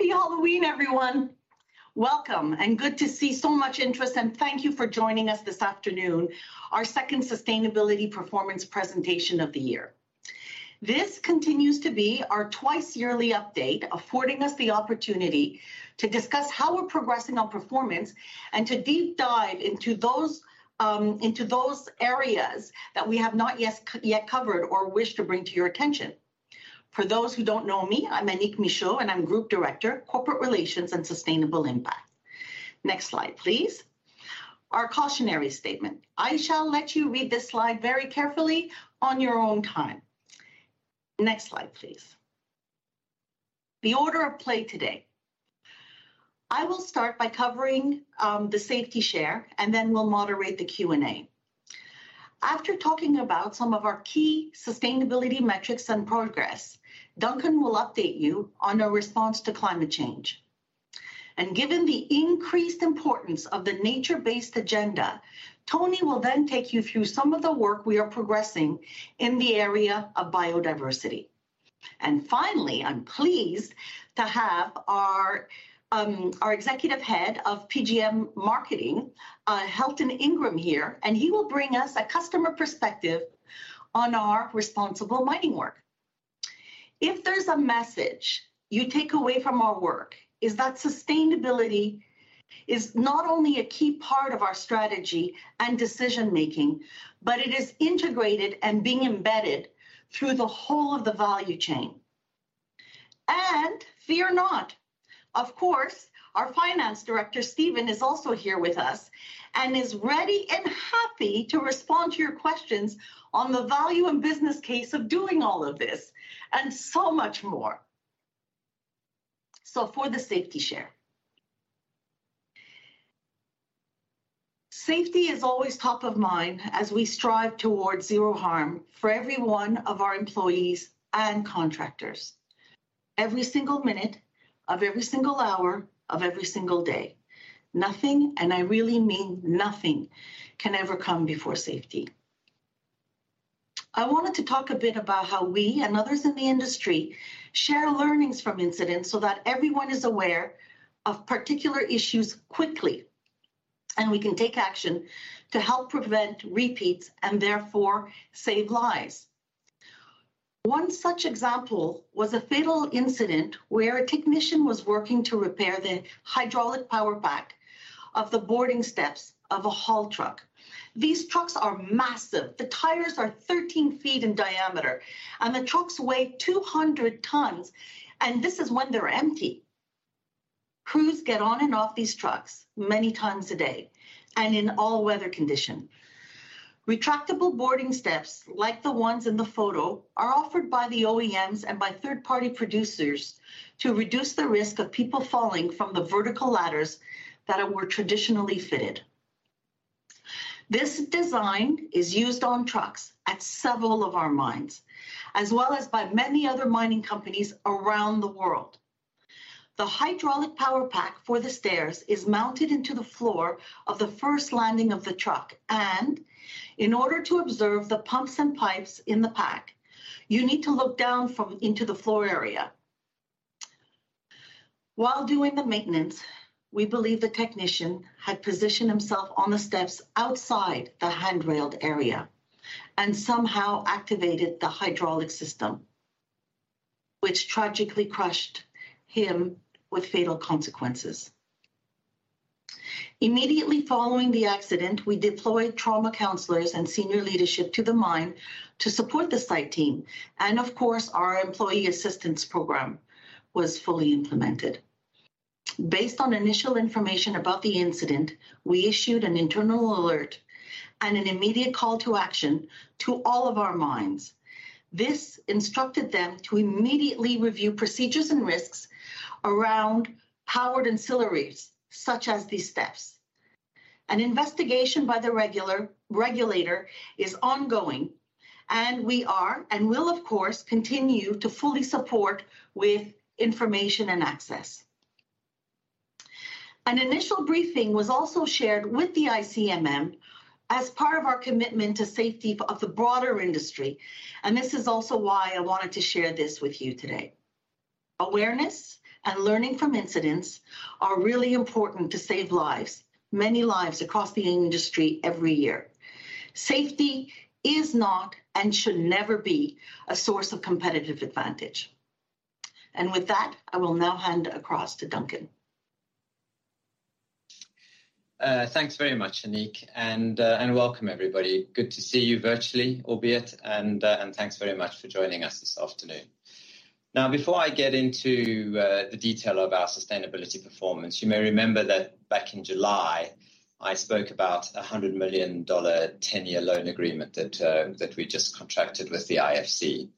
Happy Halloween, everyone. Welcome, and good to see so much interest, and thank you for joining us this afternoon, our second sustainability performance presentation of the year. This continues to be our twice yearly update, affording us the opportunity to discuss how we're progressing on performance and to deep dive into those areas that we have not yet covered or wish to bring to your attention. For those who don't know me, I'm Anik Michaud, and I'm Group Director, Corporate Relations and Sustainable Impact. Next slide, please. Our cautionary statement. I shall let you read this slide very carefully on your own time. Next slide, please. The order of play today. I will start by covering the safety share, and then we'll moderate the Q&A. After talking about some of our key sustainability metrics and progress, Duncan will update you on our response to climate change. Given the increased importance of the nature-based agenda, Tony will then take you through some of the work we are progressing in the area of biodiversity. Finally, I'm pleased to have our Executive Head of PGM Marketing, Hilton Ingram here, and he will bring us a customer perspective on our responsible mining work. If there's a message you take away from our work is that sustainability is not only a key part of our strategy and decision-making, but it is integrated and being embedded through the whole of the value chain. Fear not, of course, our Finance Director, Stephen, is also here with us and is ready and happy to respond to your questions on the value and business case of doing all of this, and so much more. For the safety share. Safety is always top of mind as we strive towards zero harm for every one of our employees and contractors every single minute of every single hour of every single day. Nothing, and I really mean nothing, can ever come before safety. I wanted to talk a bit about how we and others in the industry share learnings from incidents so that everyone is aware of particular issues quickly, and we can take action to help prevent repeats and therefore save lives. One such example was a fatal incident where a technician was working to repair the hydraulic power pack of the boarding steps of a haul truck. These trucks are massive. The tires are 13 feet in diameter, and the trucks weigh 200 tons, and this is when they're empty. Crews get on and off these trucks many times a day and in all weather conditions. Retractable boarding steps, like the ones in the photo, are offered by the OEMs and by third-party producers to reduce the risk of people falling from the vertical ladders that were traditionally fitted. This design is used on trucks at several of our mines, as well as by many other mining companies around the world. The hydraulic power pack for the stairs is mounted into the floor of the first landing of the truck, and in order to observe the pumps and pipes in the pack, you need to look down into the floor area. While doing the maintenance, we believe the technician had positioned himself on the steps outside the handrailed area and somehow activated the hydraulic system, which tragically crushed him with fatal consequences. Immediately following the accident, we deployed trauma counselors and senior leadership to the mine to support the site team, and of course, our employee assistance program was fully implemented. Based on initial information about the incident, we issued an internal alert and an immediate call to action to all of our mines. This instructed them to immediately review procedures and risks around powered ancillaries, such as these steps. An investigation by the regulator is ongoing, and we will, of course, continue to fully support with information and access. An initial briefing was also shared with the ICMM as part of our commitment to safety of the broader industry, and this is also why I wanted to share this with you today. Awareness and learning from incidents are really important to save lives, many lives across the industry every year. Safety is not and should never be a source of competitive advantage. With that, I will now hand across to Duncan. Thanks very much, Anik. Welcome everybody. Good to see you virtually, albeit, thanks very much for joining us this afternoon. Now, before I get into the detail of our sustainability performance, you may remember that back in July, I spoke about a $100 million 10-year loan agreement that we just contracted with the IFC.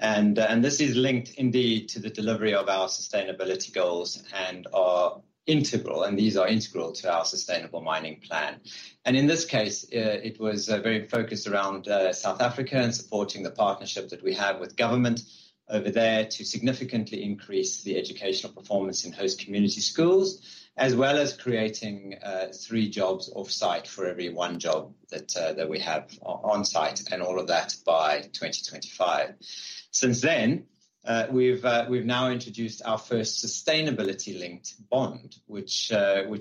This is linked indeed to the delivery of our sustainability goals, and these are integral to our Sustainable Mining Plan. In this case, it was very focused around South Africa and supporting the partnership that we have with government over there to significantly increase the educational performance in host community schools, as well as creating three jobs offsite for every one job that we have onsite, and all of that by 2025. Since then, we've now introduced our first sustainability-linked bond, which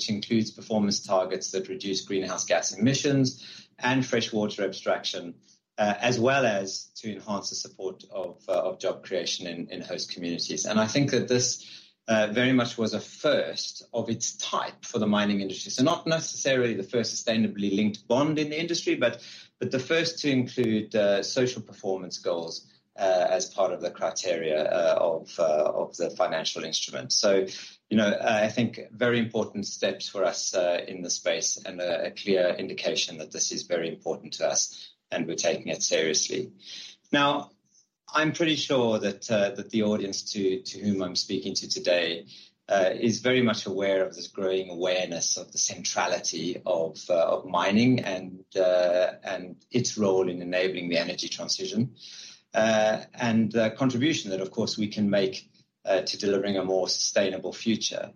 includes performance targets that reduce greenhouse gas emissions and freshwater abstraction, as well as to enhance the support of job creation in host communities. I think that this very much was a first of its type for the mining industry. Not necessarily the first sustainability-linked bond in the industry, but the first to include social performance goals as part of the criteria of the financial instrument. You know, I think very important steps for us in this space and a clear indication that this is very important to us and we're taking it seriously. Now, I'm pretty sure that the audience to whom I'm speaking to today is very much aware of this growing awareness of the centrality of mining and its role in enabling the energy transition. And the contribution that of course we can make to delivering a more sustainable future.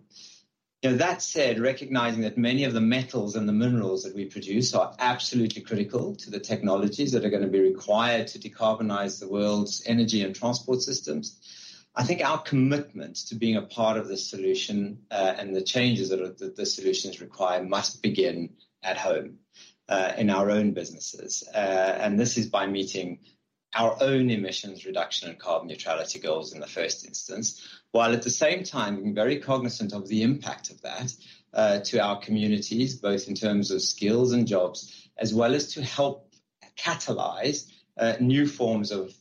You know, that said, recognizing that many of the metals and the minerals that we produce are absolutely critical to the technologies that are gonna be required to decarbonize the world's energy and transport systems. I think our commitment to being a part of the solution, and the changes that the solutions require must begin at home, in our own businesses. This is by meeting our own emissions reduction and carbon neutrality goals in the first instance. While at the same time being very cognizant of the impact of that to our communities, both in terms of skills and jobs, as well as to help catalyze new forms of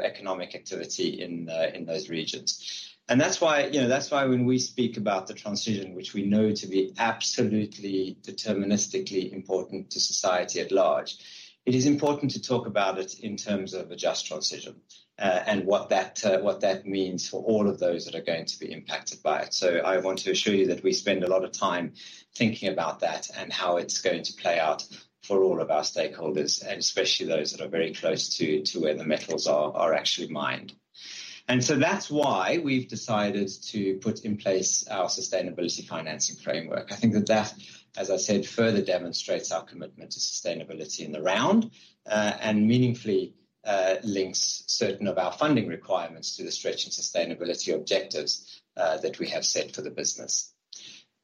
economic activity in those regions. That's why, you know, that's why when we speak about the transition, which we know to be absolutely deterministically important to society at large, it is important to talk about it in terms of a just transition, and what that means for all of those that are going to be impacted by it. I want to assure you that we spend a lot of time thinking about that and how it's going to play out for all of our stakeholders, and especially those that are very close to where the metals are actually mined. That's why we've decided to put in place our Sustainability Financing Framework. I think that, as I said, further demonstrates our commitment to sustainability in the round, and meaningfully links certain of our funding requirements to the stretch and sustainability objectives that we have set for the business.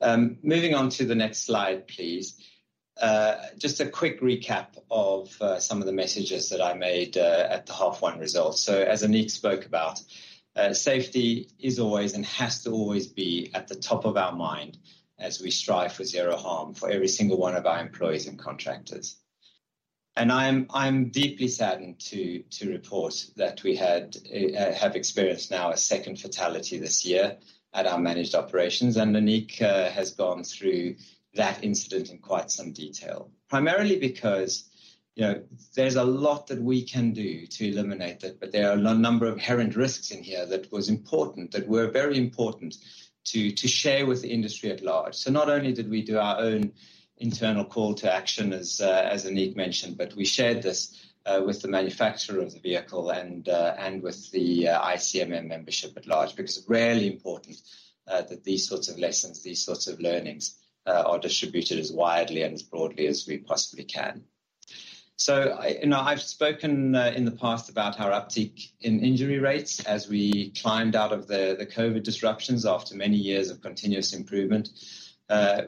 Moving on to the next slide, please. Just a quick recap of some of the messages that I made at the H1 results. As Anik spoke about, safety is always and has to always be at the top of our mind as we strive for zero harm for every single one of our employees and contractors. I am deeply saddened to report that we have experienced now a second fatality this year at our managed operations, and Anik has gone through that incident in quite some detail. Primarily because, you know, there's a lot that we can do to eliminate it, but there are a number of inherent risks in here that were very important to share with the industry at large. Not only did we do our own internal call to action as Anik mentioned, but we shared this with the manufacturer of the vehicle and with the ICMM membership at large, because it's really important that these sorts of lessons, these sorts of learnings are distributed as widely and as broadly as we possibly can. I've spoken in the past about our uptick in injury rates as we climbed out of the COVID disruptions after many years of continuous improvement.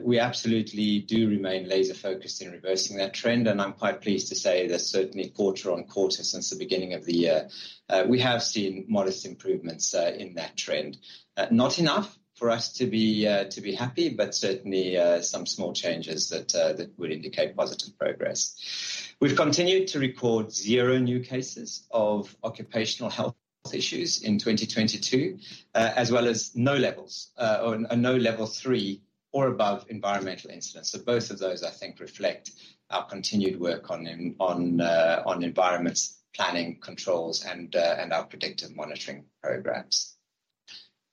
We absolutely do remain laser-focused in reversing that trend, and I'm quite pleased to say that certainly quarter-over-quarter since the beginning of the year, we have seen modest improvements in that trend. Not enough for us to be happy, but certainly some small changes that would indicate positive progress. We've continued to record zero new cases of occupational health issues in 2022, as well as no Level 3 or above environmental incidents. Both of those I think reflect our continued work on environmental planning controls and our predictive monitoring programs.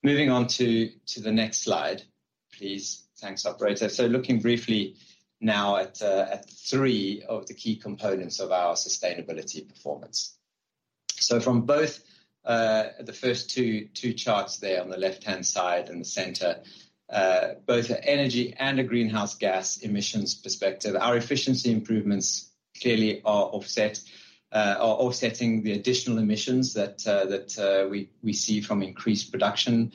Moving on to the next slide, please. Thanks, operator. Looking briefly now at three of the key components of our sustainability performance. From both the first two charts there on the left-hand side and the center, both energy and a greenhouse gas emissions perspective, our efficiency improvements clearly are offsetting the additional emissions that we see from increased production,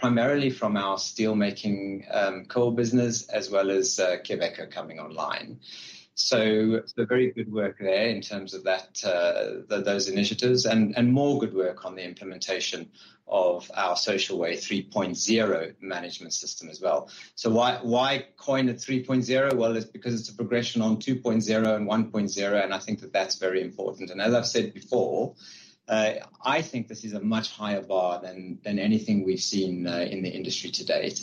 primarily from our steelmaking coal business as well as Quellaveco coming online. Some very good work there in terms of those initiatives and more good work on the implementation of our Social Way 3.0 management system as well. Why coin it 3.0? Well, it's because it's a progression on 2.0 and 1.0, and I think that that's very important. As I've said before, I think this is a much higher bar than anything we've seen in the industry to date.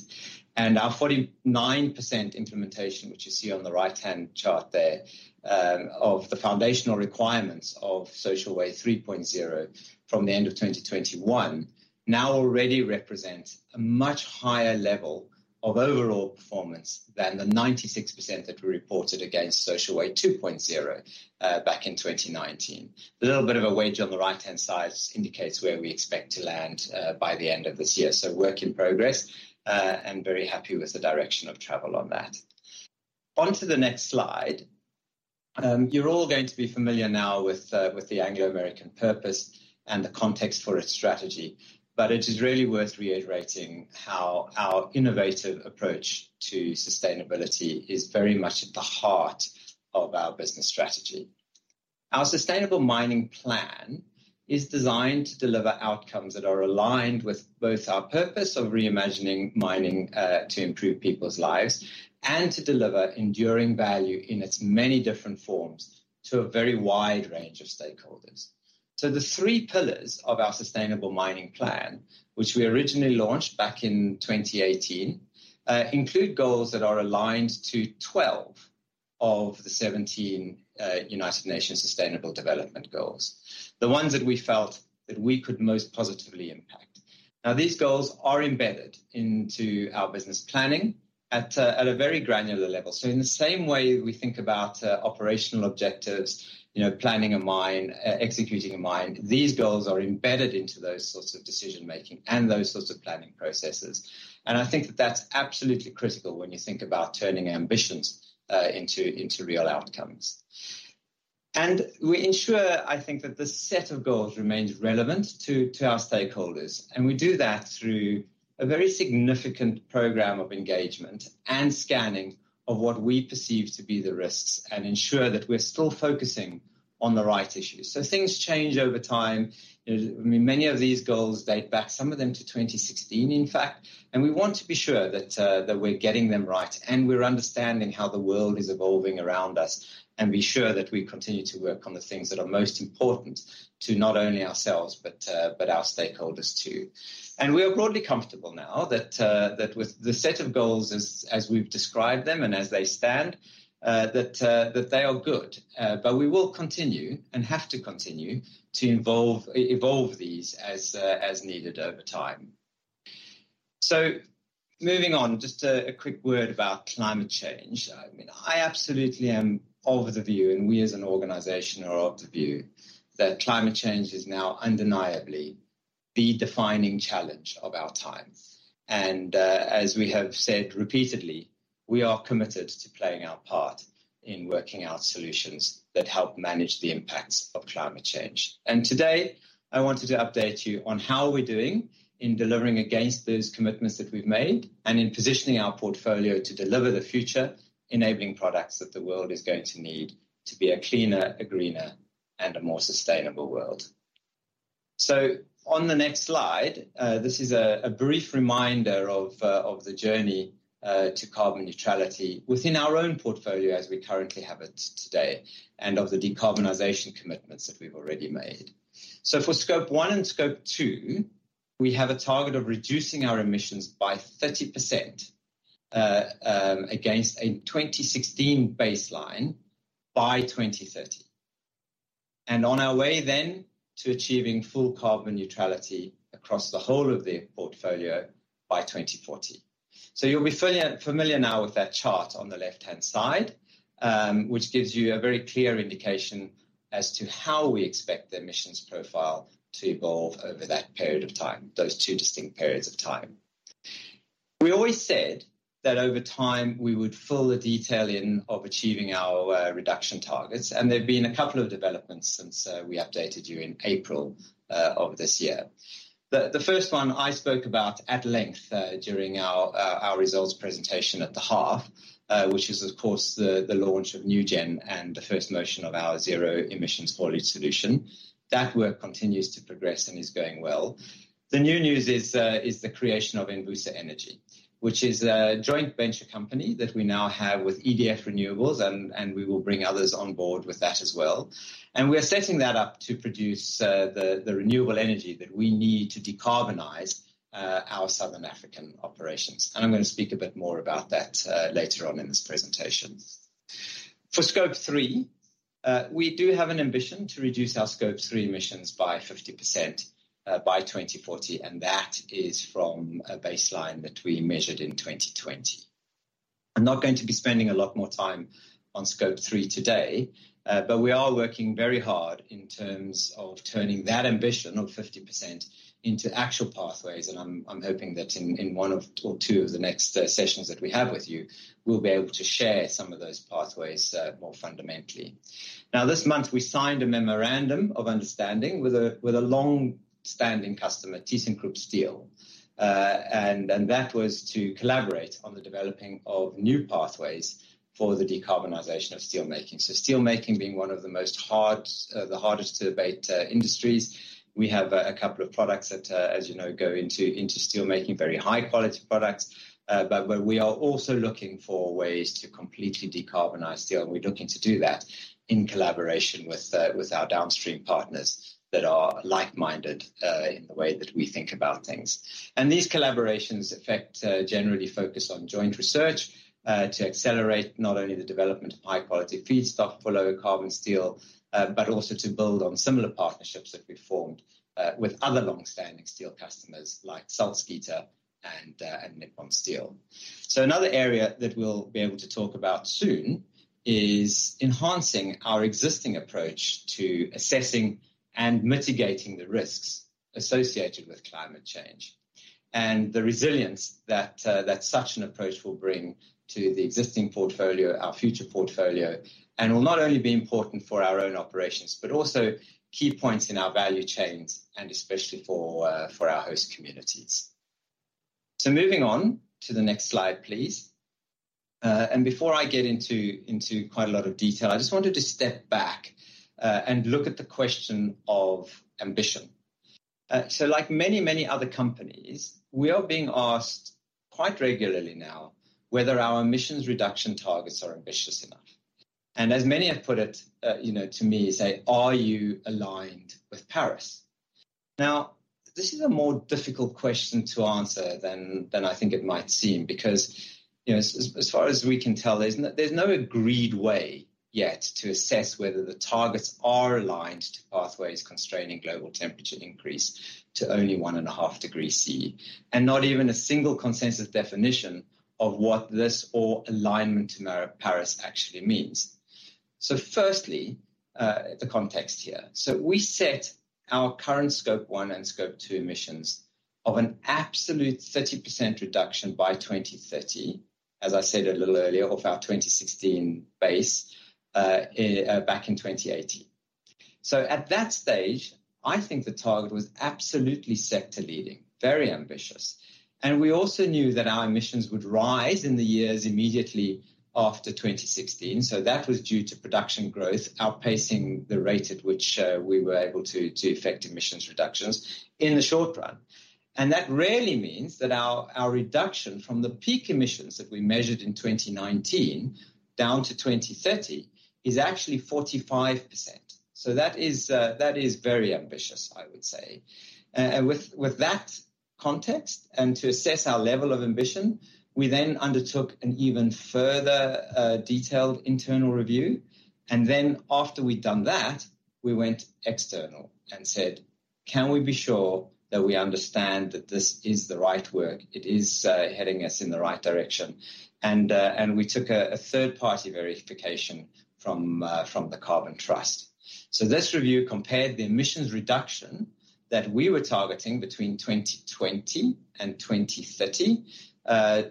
Our 49% implementation, which you see on the right-hand chart there, of the foundational requirements of Social Way 3.0 from the end of 2021, now already represents a much higher level of overall performance than the 96% that we reported against Social Way 2.0, back in 2019. The little bit of a wedge on the right-hand side indicates where we expect to land, by the end of this year. Work in progress, and very happy with the direction of travel on that. Onto the next slide. You're all going to be familiar now with the Anglo American purpose and the context for its strategy. It is really worth reiterating how our innovative approach to sustainability is very much at the heart of our business strategy. Our Sustainable Mining Plan is designed to deliver outcomes that are aligned with both our purpose of reimagining mining to improve people's lives and to deliver enduring value in its many different forms to a very wide range of stakeholders. The three pillars of our Sustainable Mining Plan, which we originally launched back in 2018, include goals that are aligned to 12 of the 17 United Nations Sustainable Development Goals, the ones that we felt that we could most positively impact. Now, these goals are embedded into our business planning at a very granular level. In the same way we think about operational objectives, you know, planning a mine, executing a mine, these goals are embedded into those sorts of decision-making and those sorts of planning processes. I think that that's absolutely critical when you think about turning ambitions into real outcomes. We ensure, I think, that the set of goals remains relevant to our stakeholders. We do that through a very significant program of engagement and scanning of what we perceive to be the risks and ensure that we're still focusing on the right issues. Things change over time. You know, I mean, many of these goals date back, some of them to 2016, in fact. We want to be sure that we're getting them right and we're understanding how the world is evolving around us and be sure that we continue to work on the things that are most important to not only ourselves but our stakeholders too. We are broadly comfortable now that with the set of goals as we've described them and as they stand, that they are good. We will continue and have to continue to evolve these as needed over time. Moving on, just a quick word about climate change. I mean, I absolutely am of the view, and we as an organization are of the view, that climate change is now undeniably the defining challenge of our time. As we have said repeatedly, we are committed to playing our part in working out solutions that help manage the impacts of climate change. Today, I wanted to update you on how we're doing in delivering against those commitments that we've made and in positioning our portfolio to deliver the future enabling products that the world is going to need to be a cleaner, a greener, and a more sustainable world. On the next slide, this is a brief reminder of the journey to carbon neutrality within our own portfolio as we currently have it today and of the decarbonization commitments that we've already made. For Scope 1 and Scope 2, we have a target of reducing our emissions by 30% against a 2016 baseline by 2030. On our way then to achieving full carbon neutrality across the whole of the portfolio by 2040. You'll be fairly familiar now with that chart on the left-hand side, which gives you a very clear indication as to how we expect the emissions profile to evolve over that period of time, those two distinct periods of time. We always said that over time we would fill the detail in of achieving our reduction targets, and there've been a couple of developments since we updated you in April of this year. The first one I spoke about at length during our results presentation at the half, which is of course the launch of nuGen™ and the First Mode of our zero emission haulage solution. That work continues to progress and is going well. The new news is the creation of Envusa Energy, which is a joint venture company that we now have with EDF Renewables, and we will bring others on board with that as well. We are setting that up to produce the renewable energy that we need to decarbonize our Southern African operations. I'm gonna speak a bit more about that later on in this presentation. For Scope 3, we do have an ambition to reduce our Scope 3 emissions by 50% by 2040, and that is from a baseline that we measured in 2020. I'm not going to be spending a lot more time on Scope 3 today, but we are working very hard in terms of turning that ambition of 50% into actual pathways, and I'm hoping that in one or two of the next sessions that we have with you, we'll be able to share some of those pathways more fundamentally. Now, this month, we signed a memorandum of understanding with a long-standing customer, thyssenkrupp Steel. That was to collaborate on the developing of new pathways for the decarbonization of steel making. Steel making being one of the hardest to abate industries. We have a couple of products that, as you know, go into steel making, very high-quality products. Where we are also looking for ways to completely decarbonize steel, and we're looking to do that in collaboration with our downstream partners that are like-minded, in the way that we think about things. These collaborations, in fact, generally focus on joint research to accelerate not only the development of high-quality feedstock for low-carbon steel, but also to build on similar partnerships that we've formed with other long-standing steel customers like Salzgitter and ArcelorMittal. Another area that we'll be able to talk about soon is enhancing our existing approach to assessing and mitigating the risks associated with climate change. The resilience that such an approach will bring to the existing portfolio, our future portfolio, and will not only be important for our own operations, but also key points in our value chains and especially for our host communities. Moving on to the next slide, please. Before I get into quite a lot of detail, I just wanted to step back and look at the question of ambition. Like many other companies, we are being asked quite regularly now whether our emissions reduction targets are ambitious enough. As many have put it, you know, to me, say, "Are you aligned with Paris?" Now, this is a more difficult question to answer than I think it might seem, because, you know, as far as we can tell, there's no agreed way yet to assess whether the targets are aligned to pathways constraining global temperature increase to only 1.5 degrees Celsius, and not even a single consensus definition of what this or alignment to Paris actually means. Firstly, the context here. We set our current Scope 1 and Scope 2 emissions of an absolute 30% reduction by 2030, as I said a little earlier, of our 2016 base, back in 2018. At that stage, I think the target was absolutely sector leading, very ambitious. We also knew that our emissions would rise in the years immediately after 2016, so that was due to production growth outpacing the rate at which we were able to affect emissions reductions in the short run. That really means that our reduction from the peak emissions that we measured in 2019 down to 2030 is actually 45%. That is very ambitious, I would say. With that context and to assess our level of ambition, we then undertook an even further detailed internal review. After we'd done that, we went external and said, "Can we be sure that we understand that this is the right way, it is heading us in the right direction?" We took a third-party verification from the Carbon Trust. This review compared the emissions reduction that we were targeting between 2020 and 2030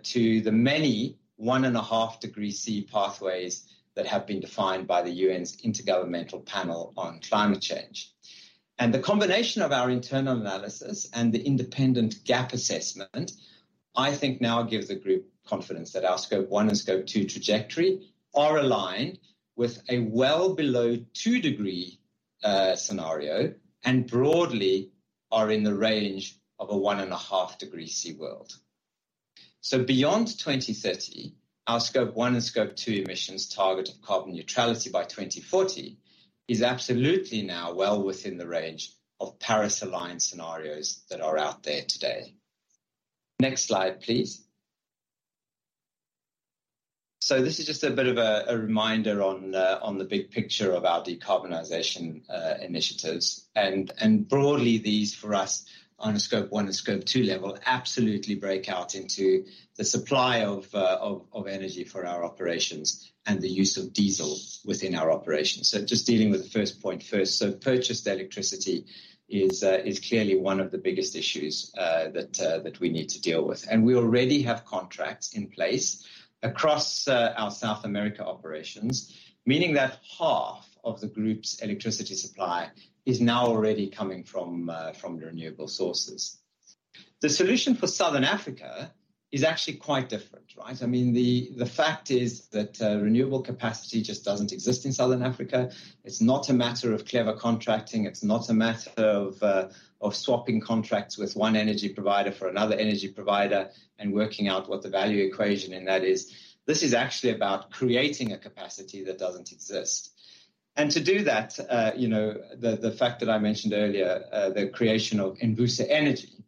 to the many 1.5 degree C pathways that have been defined by the UN's Intergovernmental Panel on Climate Change. The combination of our internal analysis and the independent gap assessment, I think now gives the group confidence that our Scope 1 and Scope 2 trajectory are aligned with a well below two degree scenario, and broadly are in the range of a 1.5 degree C world. Beyond 2030, our Scope 1 and Scope 2 emissions target of carbon neutrality by 2040 is absolutely now well within the range of Paris-aligned scenarios that are out there today. Next slide, please. This is just a bit of a reminder on the big picture of our decarbonization initiatives. Broadly, these for us on a Scope 1 and Scope 2 level, absolutely break out into the supply of energy for our operations and the use of diesel within our operations. Just dealing with the first point first. Purchased electricity is clearly one of the biggest issues that we need to deal with. We already have contracts in place across our South America operations, meaning that half of the group's electricity supply is now already coming from renewable sources. The solution for Southern Africa is actually quite different, right? I mean, the fact is that renewable capacity just doesn't exist in Southern Africa. It's not a matter of clever contracting. It's not a matter of swapping contracts with one energy provider for another energy provider and working out what the value equation in that is. This is actually about creating a capacity that doesn't exist. To do that, you know, the fact that I mentioned earlier, the creation of Envusa Energy,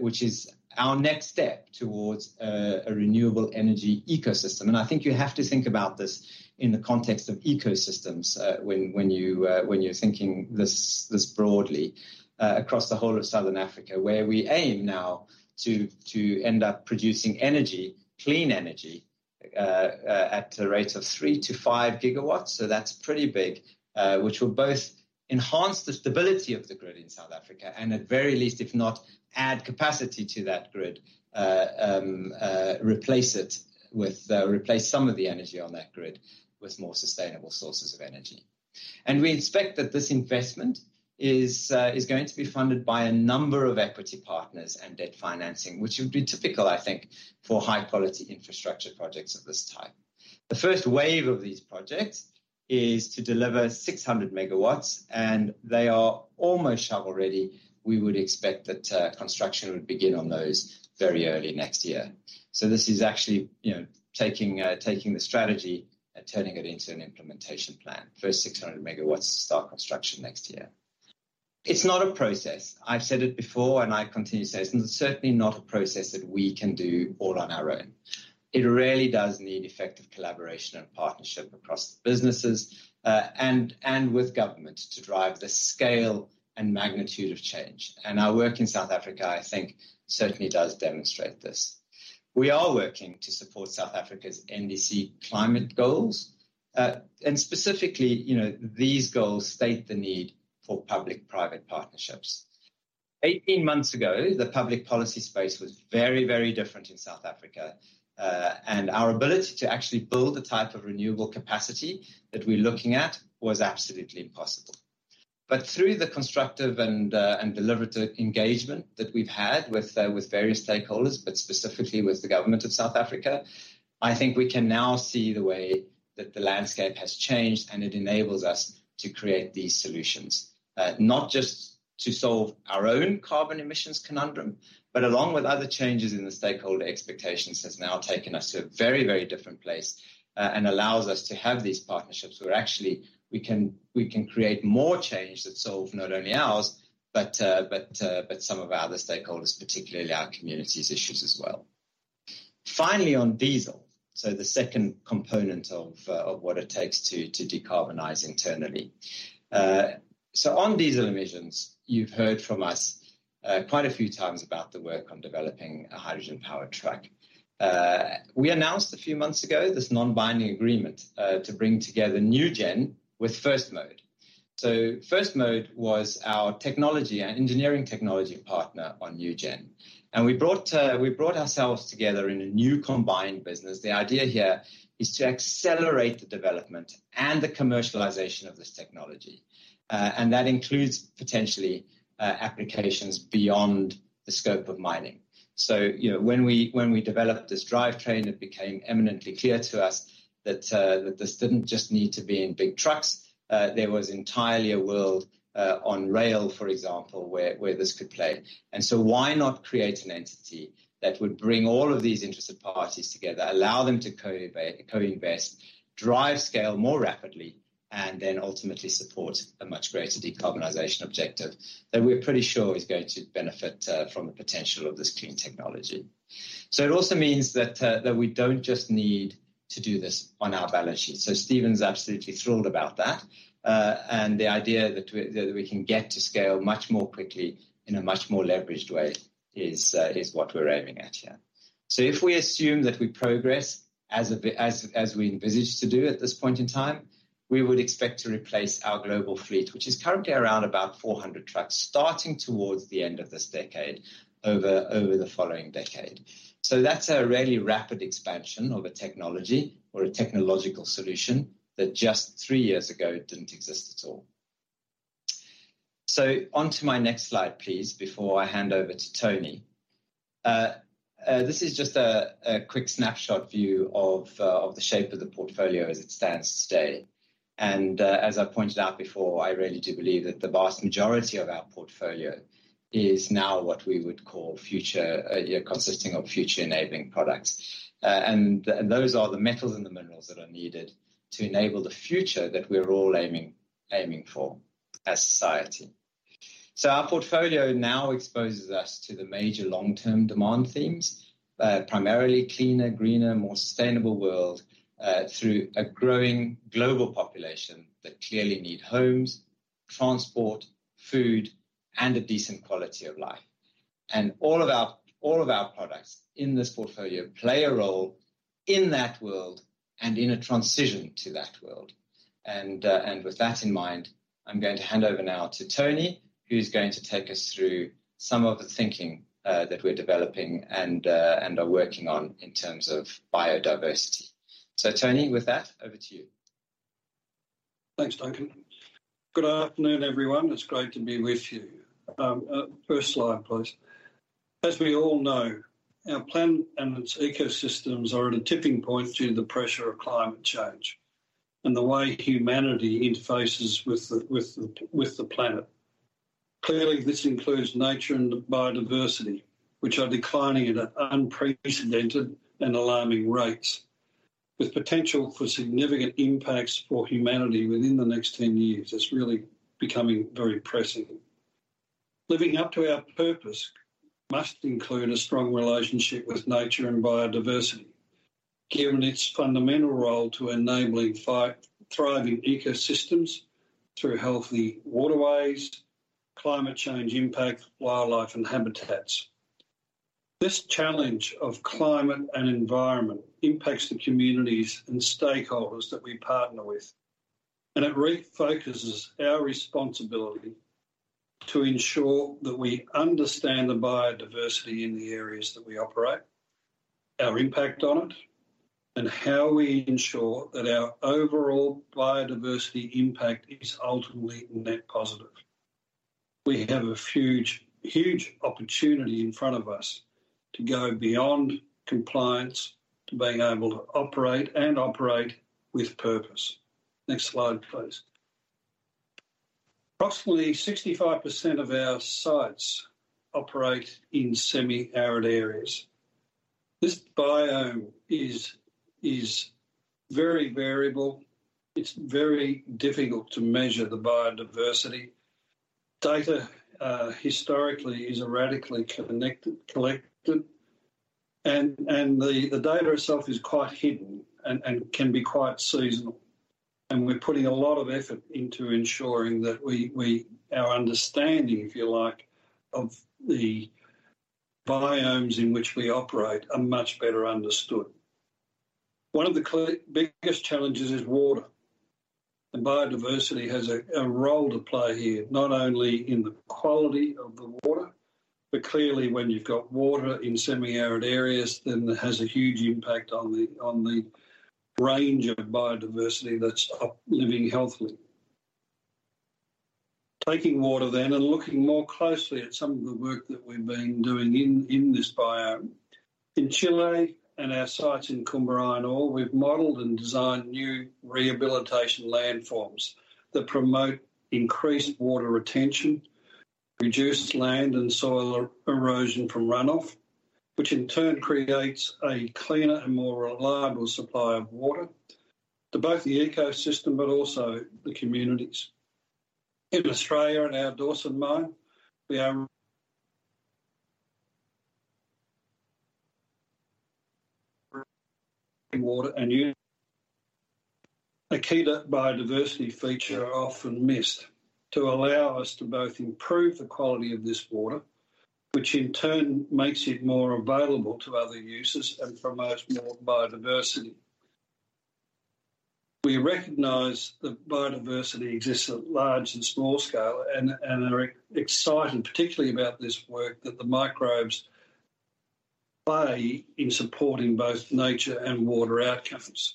which is our next step towards a renewable energy ecosystem. I think you have to think about this in the context of ecosystems, when you're thinking this broadly across the whole of Southern Africa, where we aim now to end up producing clean energy at a rate of 3-5 gigawatts. That's pretty big, which will both enhance the stability of the grid in South Africa and at very least, if not add capacity to that grid, replace some of the energy on that grid with more sustainable sources of energy. We expect that this investment is going to be funded by a number of equity partners and debt financing, which would be typical, I think, for high-quality infrastructure projects of this type. The first wave of these projects is to deliver 600 megawatts, and they are almost shovel-ready. We would expect that construction would begin on those very early next year. This is actually, you know, taking the strategy and turning it into an implementation plan. First 600 megawatts to start construction next year. It's not a process. I've said it before, and I continue to say this, and it's certainly not a process that we can do all on our own. It really does need effective collaboration and partnership across the businesses, and with government to drive the scale and magnitude of change. Our work in South Africa, I think, certainly does demonstrate this. We are working to support South Africa's NDC climate goals. Specifically, you know, these goals state the need for public-private partnerships. 18 months ago, the public policy space was very, very different in South Africa. Our ability to actually build the type of renewable capacity that we're looking at was absolutely impossible. Through the constructive and deliberative engagement that we've had with various stakeholders, but specifically with the government of South Africa, I think we can now see the way that the landscape has changed, and it enables us to create these solutions. Not just to solve our own carbon emissions conundrum, but along with other changes in the stakeholder expectations, has now taken us to a very different place, and allows us to have these partnerships where actually we can create more change that solve not only ours, but some of our other stakeholders, particularly our communities' issues as well. Finally, on diesel, the second component of what it takes to decarbonize internally. On diesel emissions, you've heard from us quite a few times about the work on developing a hydrogen powered truck. We announced a few months ago this non-binding agreement to bring together nuGen™ with First Mode. First Mode was our technology and engineering technology partner on nuGen™. We brought ourselves together in a new combined business. The idea here is to accelerate the development and the commercialization of this technology. That includes potentially applications beyond the scope of mining. You know, when we developed this drivetrain, it became eminently clear to us that this didn't just need to be in big trucks. There was entirely a world on rail, for example, where this could play. Why not create an entity that would bring all of these interested parties together, allow them to co-invest, drive scale more rapidly, and then ultimately support a much greater decarbonization objective that we're pretty sure is going to benefit from the potential of this clean technology. It also means that we don't just need to do this on our balance sheet. Stephen's absolutely thrilled about that. The idea that we can get to scale much more quickly in a much more leveraged way is what we're aiming at here. If we assume that we progress as we envisage to do at this point in time, we would expect to replace our global fleet, which is currently around about 400 trucks, starting towards the end of this decade over the following decade. That's a really rapid expansion of a technology or a technological solution that just three years ago didn't exist at all. Onto my next slide, please, before I hand over to Tony. This is just a quick snapshot view of the shape of the portfolio as it stands today. As I pointed out before, I really do believe that the vast majority of our portfolio is now what we would call future, you know, consisting of future enabling products. Those are the metals and the minerals that are needed to enable the future that we're all aiming for as society. Our portfolio now exposes us to the major long-term demand themes, primarily cleaner, greener, more sustainable world, through a growing global population that clearly need homes, transport, food, and a decent quality of life. All of our products in this portfolio play a role in that world and in a transition to that world. With that in mind, I'm going to hand over now to Tony, who's going to take us through some of the thinking that we're developing and are working on in terms of biodiversity. Tony, with that, over to you. Thanks, Duncan. Good afternoon, everyone. It's great to be with you. First slide, please. As we all know, our planet and its ecosystems are at a tipping point due to the pressure of climate change and the way humanity interfaces with the planet. Clearly, this includes nature and biodiversity, which are declining at an unprecedented and alarming rates, with potential for significant impacts for humanity within the next 10 years. It's really becoming very pressing. Living up to our purpose must include a strong relationship with nature and biodiversity, given its fundamental role to enabling thriving ecosystems through healthy waterways, climate change impact, wildlife and habitats. This challenge of climate and environment impacts the communities and stakeholders that we partner with, and it refocuses our responsibility to ensure that we understand the biodiversity in the areas that we operate, our impact on it, and how we ensure that our overall biodiversity impact is ultimately net positive. We have a huge opportunity in front of us to go beyond compliance, to being able to operate and operate with purpose. Next slide, please. Approximately 65% of our sites operate in semi-arid areas. This biome is very variable. It's very difficult to measure the biodiversity. Data, historically, is erratically collected and the data itself is quite hidden and can be quite seasonal. We're putting a lot of effort into ensuring that our understanding, if you like, of the biomes in which we operate are much better understood. One of the biggest challenges is water, and biodiversity has a role to play here, not only in the quality of the water, but clearly when you've got water in semi-arid areas, then that has a huge impact on the range of biodiversity that's living healthily. Taking water then and looking more closely at some of the work that we've been doing in this biome. In Chile and our sites in Collahuasi, we've modeled and designed new rehabilitation land forms that promote increased water retention, reduced land and soil erosion from runoff, which in turn creates a cleaner and more reliable supply of water to both the ecosystem but also the communities. In Australia, in our Dawson mine, we use water and aquatic biodiversity features that are often missed to allow us to both improve the quality of this water, which in turn makes it more available to other users and promotes more biodiversity. We recognize that biodiversity exists at large and small scale and are excited particularly about this work that the microbes play in supporting both nature and water outcomes.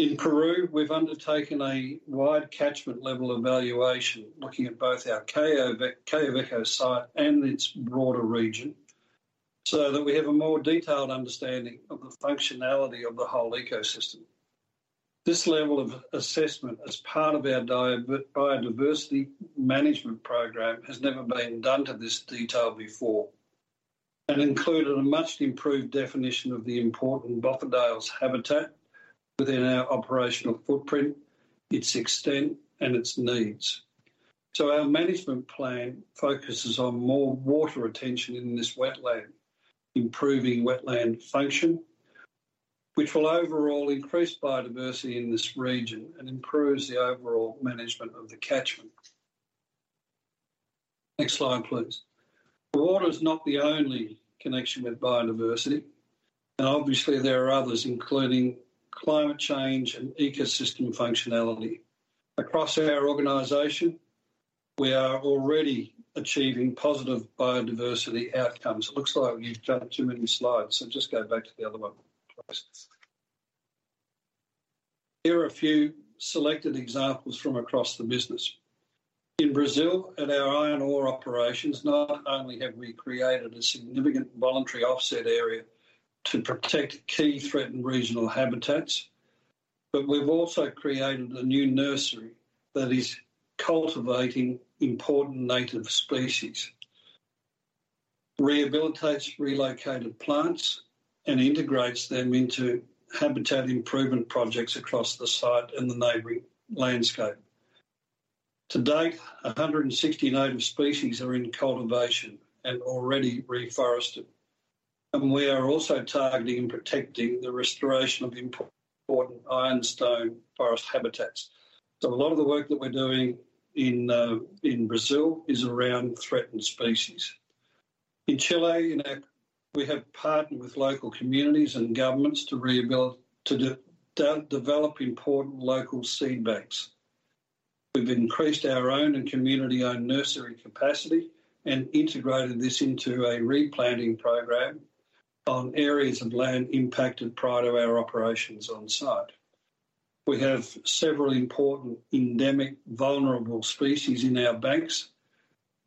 In Peru, we've undertaken a wide catchment level evaluation, looking at both our Quellaveco site and its broader region, so that we have a more detailed understanding of the functionality of the whole ecosystem. This level of assessment as part of our biodiversity management program has never been done to this detail before, and included a much improved definition of the important bofedales habitat within our operational footprint, its extent, and its needs. Our management plan focuses on more water retention in this wetland, improving wetland function, which will overall increase biodiversity in this region and improves the overall management of the catchment. Next slide, please. Water is not the only connection with biodiversity, and obviously there are others, including climate change and ecosystem functionality. Across our organization, we are already achieving positive biodiversity outcomes. It looks like we've jumped too many slides, so just go back to the other one, please. Here are a few selected examples from across the business. In Brazil, at our iron ore operations, not only have we created a significant voluntary offset area to protect key threatened regional habitats, but we've also created a new nursery that is cultivating important native species, rehabilitates relocated plants, and integrates them into habitat improvement projects across the site and the neighboring landscape. To date, 160 native species are in cultivation and already reforested. We are also targeting and protecting the restoration of important ironstone forest habitats. A lot of the work that we're doing in Brazil is around threatened species. In Chile, we have partnered with local communities and governments to develop important local seed banks. We've increased our own and community-owned nursery capacity and integrated this into a replanting program on areas of land impacted prior to our operations on site. We have several important endemic vulnerable species in our banks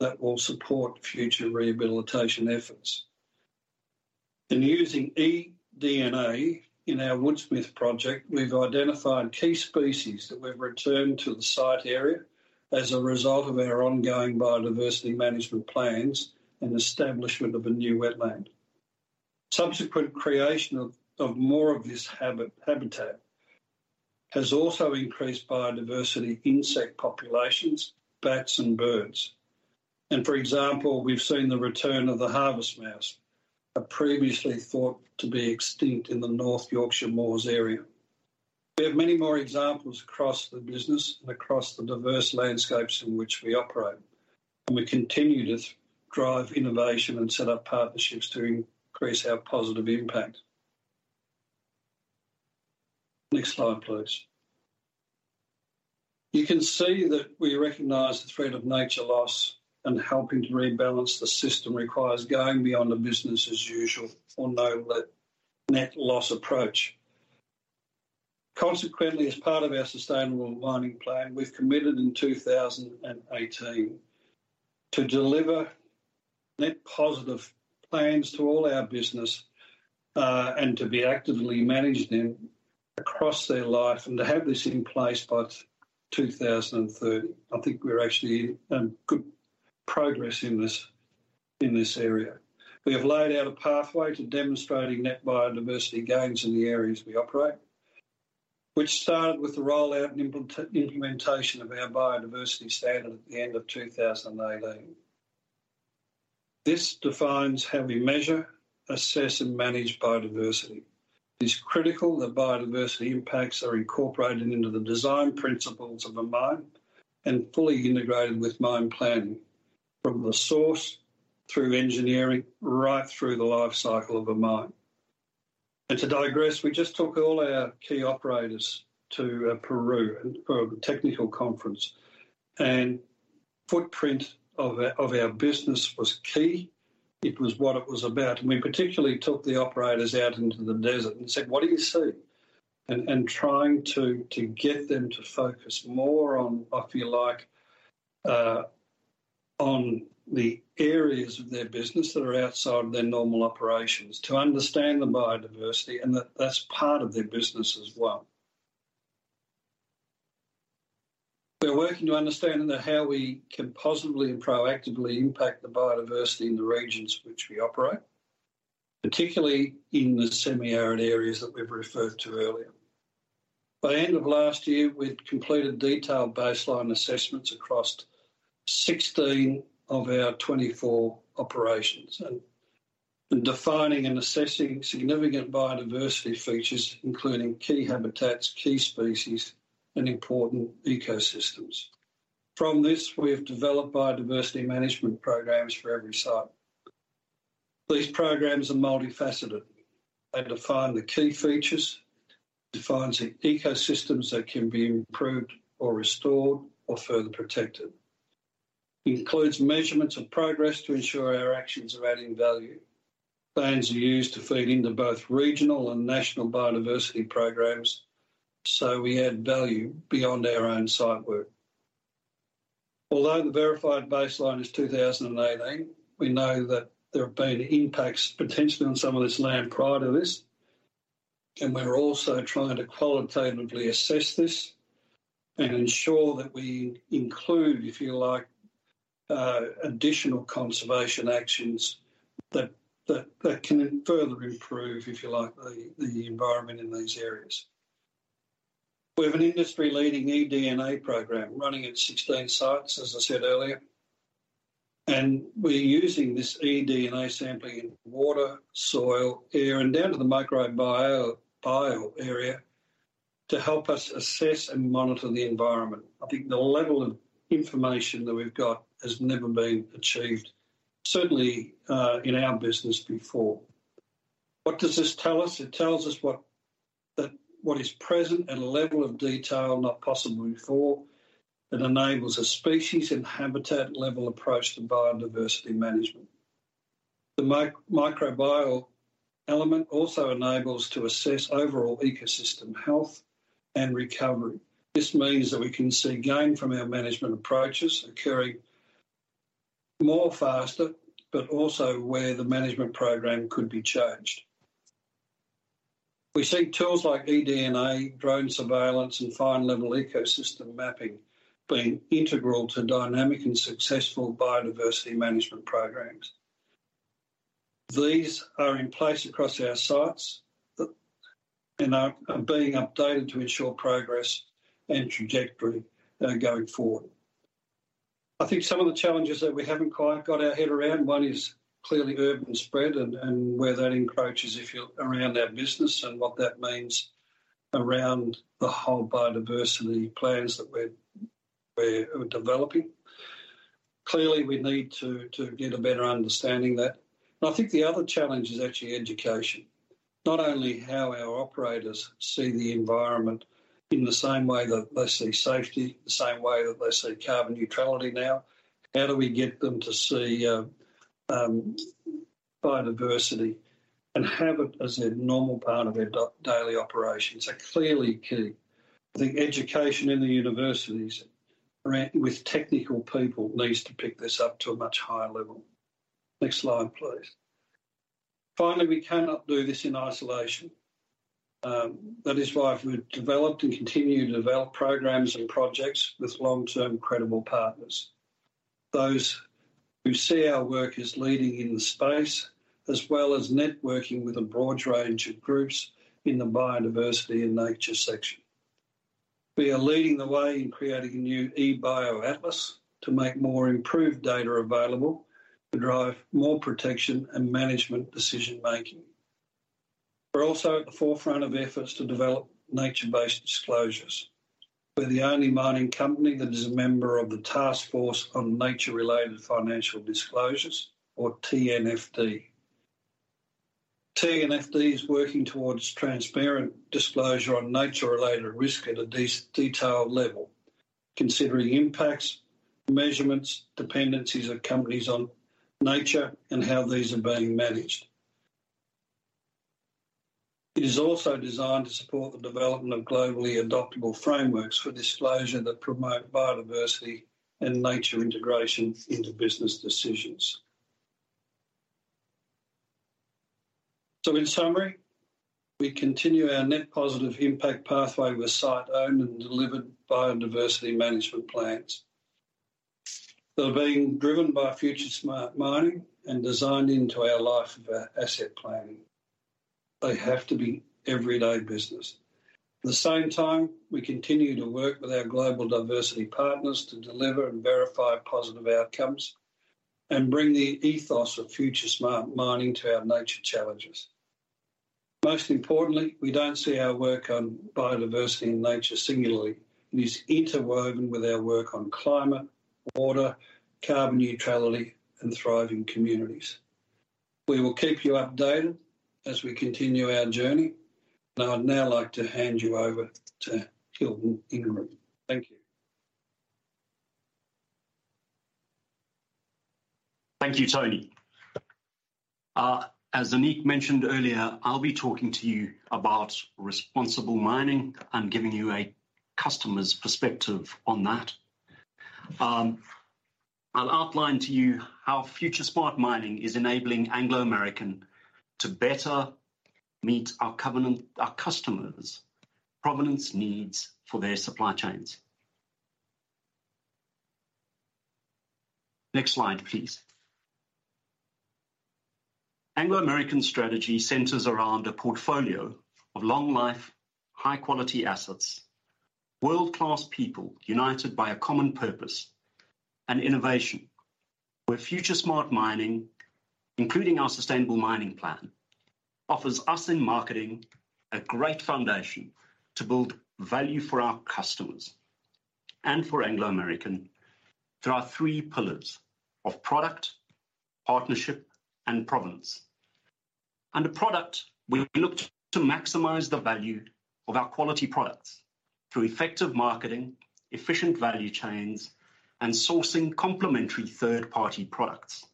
that will support future rehabilitation efforts. In using eDNA in our Woodsmith project, we've identified key species that we've returned to the site area as a result of our ongoing biodiversity management plans and establishment of a new wetland. Subsequent creation of more of this habitat has also increased biodiversity, insect populations, bats, and birds. For example, we've seen the return of the harvest mouse, a previously thought to be extinct in the North Yorkshire Moors area. We have many more examples across the business and across the diverse landscapes in which we operate, and we continue to drive innovation and set up partnerships to increase our positive impact. Next slide, please. You can see that we recognize the threat of nature loss, and helping to rebalance the system requires going beyond the business as usual or no net loss approach. Consequently, as part of our Sustainable Mining Plan, we've committed in 2018 to deliver net positive plans to all our business, and to be actively managing them across their life and to have this in place by 2030. I think we're actually good progress in this area. We have laid out a pathway to demonstrating net biodiversity gains in the areas we operate, which started with the rollout and implementation of our biodiversity standard at the end of 2018. This defines how we measure, assess, and manage biodiversity. It's critical that biodiversity impacts are incorporated into the design principles of a mine and fully integrated with mine planning. From the source through engineering, right through the life cycle of a mine. To digress, we just took all our key operators to Peru for a technical conference. Footprint of our business was key. It was what it was about. We particularly took the operators out into the desert and said, "What do you see?" Trying to get them to focus more on, if you like, on the areas of their business that are outside of their normal operations, to understand the biodiversity, and that's part of their business as well. We're working to understand how we can positively and proactively impact the biodiversity in the regions in which we operate, particularly in the semi-arid areas that we've referred to earlier. By end of last year, we'd completed detailed baseline assessments across 16 of our 24 operations, defining and assessing significant biodiversity features, including key habitats, key species, and important ecosystems. From this, we have developed biodiversity management programs for every site. These programs are multifaceted. They define the key features, defines the ecosystems that can be improved or restored or further protected. Includes measurements of progress to ensure our actions are adding value. Plans are used to feed into both regional and national biodiversity programs, so we add value beyond our own site work. Although the verified baseline is 2018, we know that there have been impacts potentially on some of this land prior to this, and we're also trying to qualitatively assess this and ensure that we include, if you like, additional conservation actions that can further improve, if you like, the environment in these areas. We have an industry-leading eDNA program running at 16 sites, as I said earlier. We're using this eDNA sampling in water, soil, air, and down to the microbiome bio area to help us assess and monitor the environment. I think the level of information that we've got has never been achieved, certainly, in our business before. What does this tell us? It tells us that what is present at a level of detail not possible before that enables a species and habitat level approach to biodiversity management. The microbial element also enables to assess overall ecosystem health and recovery. This means that we can see gain from our management approaches occurring more faster, but also where the management program could be changed. We see tools like eDNA, drone surveillance, and fine level ecosystem mapping being integral to dynamic and successful biodiversity management programs. These are in place across our sites and are being updated to ensure progress and trajectory going forward. I think some of the challenges that we haven't quite got our head around, one is clearly urban spread and where that encroaches around our business and what that means around the whole biodiversity plans that we're developing. Clearly, we need to get a better understanding of that. I think the other challenge is actually education. Not only how our operators see the environment in the same way that they see safety, the same way that they see carbon neutrality now. How do we get them to see biodiversity and have it as a normal part of their daily operations are clearly key. I think education in the universities with technical people needs to pick this up to a much higher level. Next slide, please. Finally, we cannot do this in isolation. That is why we've developed and continue to develop programs and projects with long-term credible partners. Those who see our work as leading in the space, as well as networking with a broad range of groups in the biodiversity and nature sector. We are leading the way in creating a new eBioAtlas to make more improved data available to drive more protection and management decision-making. We're also at the forefront of efforts to develop nature-based disclosures. We're the only mining company that is a member of the Taskforce on Nature-related Financial Disclosures or TNFD. TNFD is working towards transparent disclosure on nature-related risk at a detailed level, considering impacts, measurements, dependencies of companies on nature, and how these are being managed. It is also designed to support the development of globally adoptable frameworks for disclosure that promote biodiversity and nature integration into business decisions. In summary, we continue our net positive impact pathway with site-owned and delivered biodiversity management plans that are being driven by FutureSmart Mining and designed into our life of asset planning. They have to be everyday business. At the same time, we continue to work with our global diversity partners to deliver and verify positive outcomes and bring the ethos of FutureSmart Mining to our nature challenges. Most importantly, we don't see our work on biodiversity and nature singularly. It is interwoven with our work on climate, water, carbon neutrality, and thriving communities. We will keep you updated as we continue our journey. Now I'd like to hand you over to Hilton Ingram. Thank you. Thank you, Tony. As Anik mentioned earlier, I'll be talking to you about responsible mining and giving you a customer's perspective on that. I'll outline to you how FutureSmart Mining is enabling Anglo American to better meet our customers' provenance needs for their supply chains. Next slide, please. Anglo American's strategy centers around a portfolio of long life, high quality assets, world-class people united by a common purpose and innovation, where FutureSmart Mining, including our Sustainable Mining Plan, offers us in marketing a great foundation to build value for our customers and for Anglo American. There are three pillars of product, partnership, and provenance. Under product, we look to maximize the value of our quality products through effective marketing, efficient value chains, and sourcing complementary third-party products.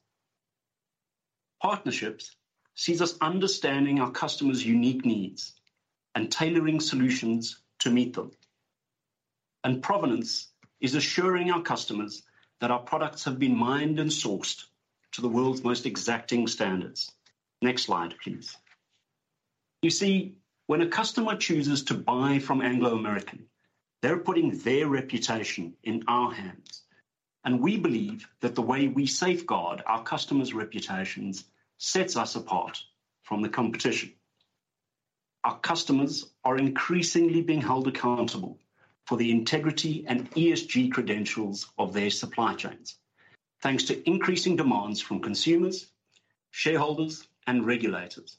Partnerships sees us understanding our customers' unique needs and tailoring solutions to meet them. Provenance is assuring our customers that our products have been mined and sourced to the world's most exacting standards. Next slide, please. You see, when a customer chooses to buy from Anglo American, they're putting their reputation in our hands, and we believe that the way we safeguard our customers' reputations sets us apart from the competition. Our customers are increasingly being held accountable for the integrity and ESG credentials of their supply chains, thanks to increasing demands from consumers, shareholders, and regulators.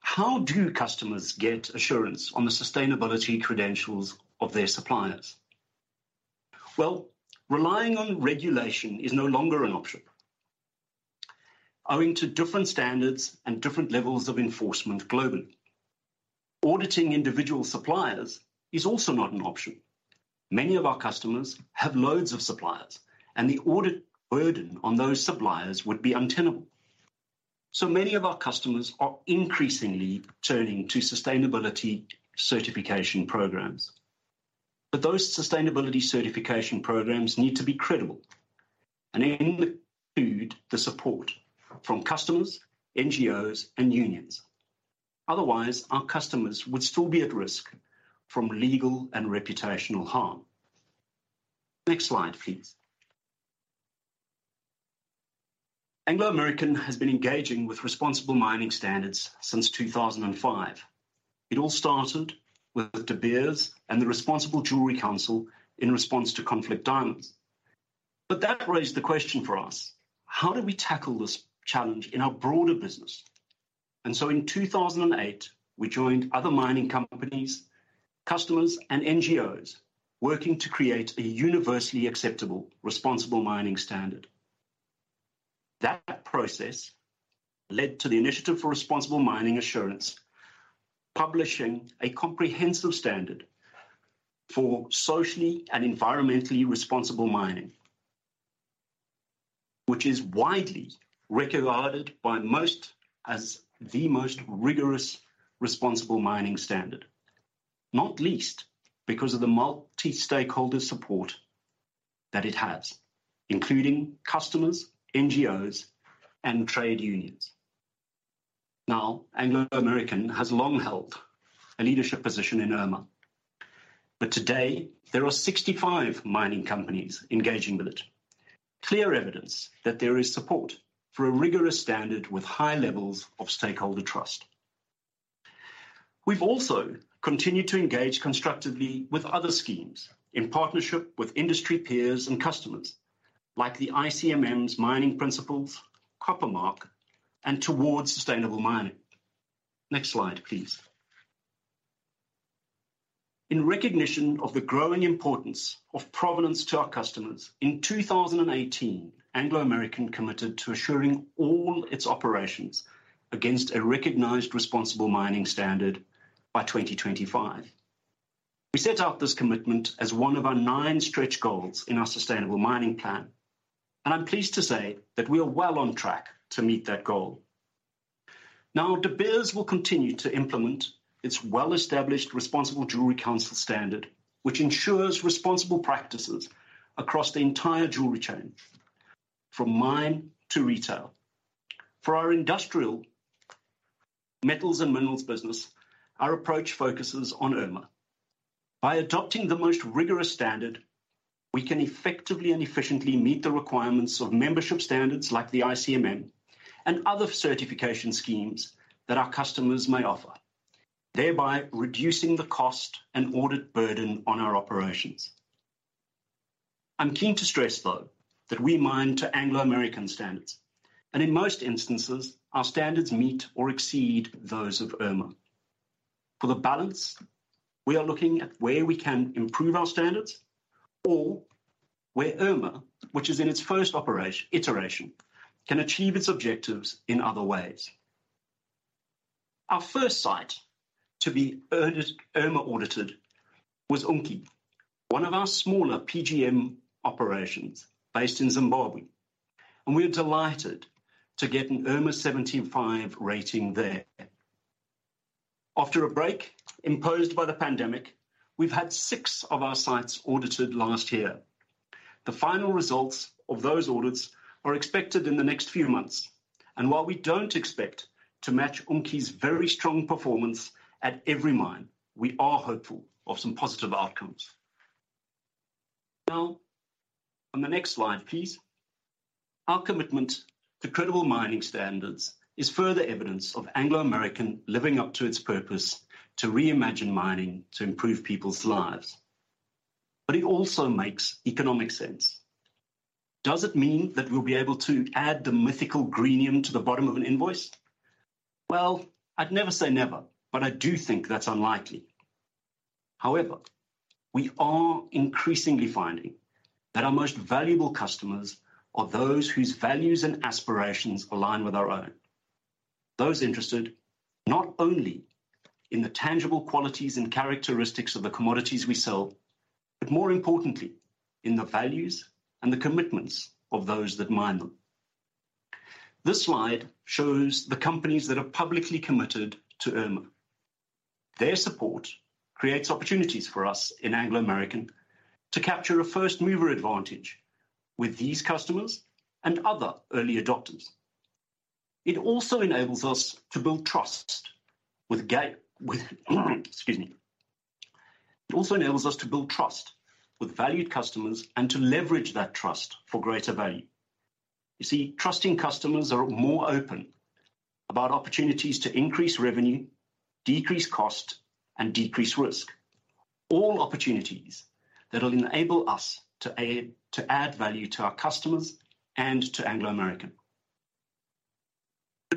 How do customers get assurance on the sustainability credentials of their suppliers? Well, relying on regulation is no longer an option owing to different standards and different levels of enforcement globally. Auditing individual suppliers is also not an option. Many of our customers have loads of suppliers, and the audit burden on those suppliers would be untenable. Many of our customers are increasingly turning to sustainability certification programs. Those sustainability certification programs need to be credible and include the support from customers, NGOs, and unions. Otherwise, our customers would still be at risk from legal and reputational harm. Next slide, please. Anglo American has been engaging with responsible mining standards since 2005. It all started with De Beers and the Responsible Jewellery Council in response to conflict diamonds. That raised the question for us, how do we tackle this challenge in our broader business? In 2008, we joined other mining companies, customers, and NGOs working to create a universally acceptable responsible mining standard. That process led to the Initiative for Responsible Mining Assurance publishing a comprehensive standard for socially and environmentally responsible mining, which is widely regarded by most as the most rigorous responsible mining standard, not least because of the multi-stakeholder support that it has, including customers, NGOs, and trade unions. Now, Anglo American has long held a leadership position in IRMA, but today there are 65 mining companies engaging with it. Clear evidence that there is support for a rigorous standard with high levels of stakeholder trust. We've also continued to engage constructively with other schemes in partnership with industry peers and customers, like the ICMM's Mining Principles, Copper Mark, and Towards Sustainable Mining. Next slide, please. In recognition of the growing importance of provenance to our customers, in 2018, Anglo American committed to assuring all its operations against a recognized responsible mining standard by 2025. We set out this commitment as one of our nine stretch goals in our Sustainable Mining Plan, and I'm pleased to say that we are well on track to meet that goal. Now, De Beers will continue to implement its well-established Responsible Jewellery Council standard, which ensures responsible practices across the entire jewelry chain from mine to retail. For our industrial metals and minerals business, our approach focuses on IRMA. By adopting the most rigorous standard, we can effectively and efficiently meet the requirements of membership standards like the ICMM and other certification schemes that our customers may offer, thereby reducing the cost and audit burden on our operations. I'm keen to stress, though, that we mine to Anglo American standards, and in most instances, our standards meet or exceed those of IRMA. For the balance, we are looking at where we can improve our standards or where IRMA, which is in its first iteration, can achieve its objectives in other ways. Our first site to be IRMA audited was Unki, one of our smaller PGM operations based in Zimbabwe, and we're delighted to get an IRMA 75 rating there. After a break imposed by the pandemic, we've had 6 of our sites audited last year. The final results of those audits are expected in the next few months, and while we don't expect to match Unki's very strong performance at every mine, we are hopeful of some positive outcomes. Now, on the next slide, please. Our commitment to credible mining standards is further evidence of Anglo American living up to its purpose to reimagine mining to improve people's lives. It also makes economic sense. Does it mean that we'll be able to add the mythical greenium to the bottom of an invoice? Well, I'd never say never, but I do think that's unlikely. However, we are increasingly finding that our most valuable customers are those whose values and aspirations align with our own. Those interested not only in the tangible qualities and characteristics of the commodities we sell, but more importantly, in the values and the commitments of those that mine them. This slide shows the companies that are publicly committed to IRMA. Their support creates opportunities for us in Anglo American to capture a first-mover advantage with these customers and other early adopters. It also enables us to build trust with valued customers and to leverage that trust for greater value. You see, trusting customers are more open about opportunities to increase revenue, decrease cost, and decrease risk. All opportunities that will enable us to add value to our customers and to Anglo American.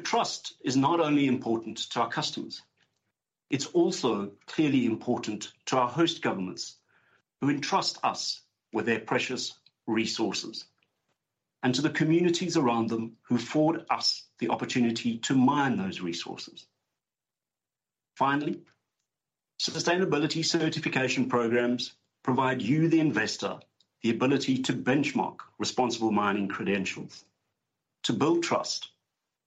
Trust is not only important to our customers, it's also clearly important to our host governments who entrust us with their precious resources and to the communities around them who afford us the opportunity to mine those resources. Finally, sustainability certification programs provide you, the investor, the ability to benchmark responsible mining credentials, to build trust,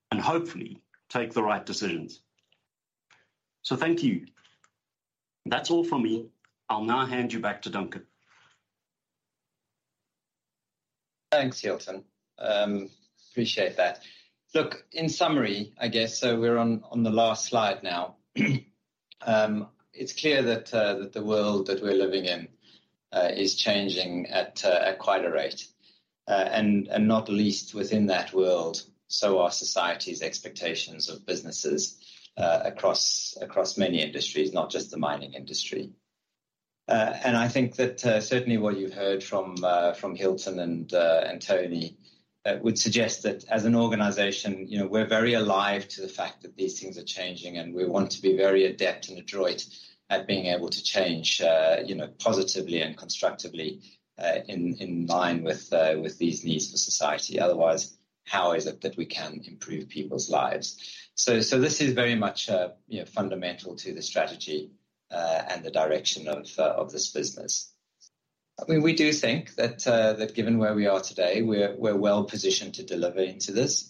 and hopefully take the right decisions. Thank you. That's all from me. I'll now hand you back to Duncan. Thanks, Hilton. Appreciate that. Look, in summary, I guess, so we're on the last slide now. It's clear that the world that we're living in is changing at quite a rate. Not least within that world, so are society's expectations of businesses across many industries, not just the mining industry. I think that certainly what you heard from Hilton and Tony would suggest that as an organization, you know, we're very alive to the fact that these things are changing, and we want to be very adept and adroit at being able to change, you know, positively and constructively in line with these needs for society. Otherwise, how is it that we can improve people's lives? This is very much, you know, fundamental to the strategy, and the direction of this business. I mean, we do think that given where we are today, we're well positioned to deliver into this.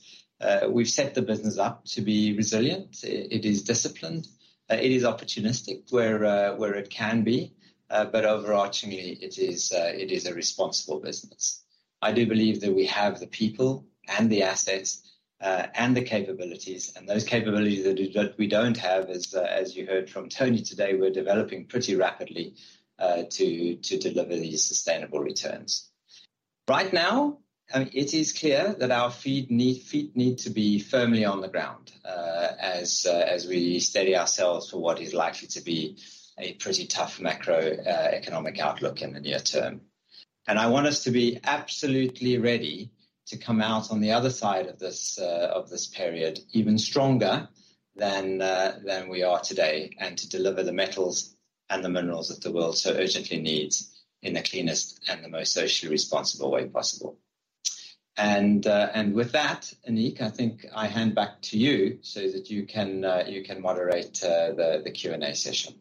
We've set the business up to be resilient. It is disciplined, it is opportunistic where it can be, but overarchingly, it is a responsible business. I do believe that we have the people and the assets, and the capabilities, and those capabilities that we don't have, as you heard from Tony today, we're developing pretty rapidly, to deliver these sustainable returns. Right now, it is clear that our feet need to be firmly on the ground, as we steady ourselves for what is likely to be a pretty tough macroeconomic outlook in the near term. I want us to be absolutely ready to come out on the other side of this period even stronger than we are today, and to deliver the metals and the minerals that the world so urgently needs in the cleanest and the most socially responsible way possible. With that, Anik, I think I hand back to you so that you can moderate the Q&A session.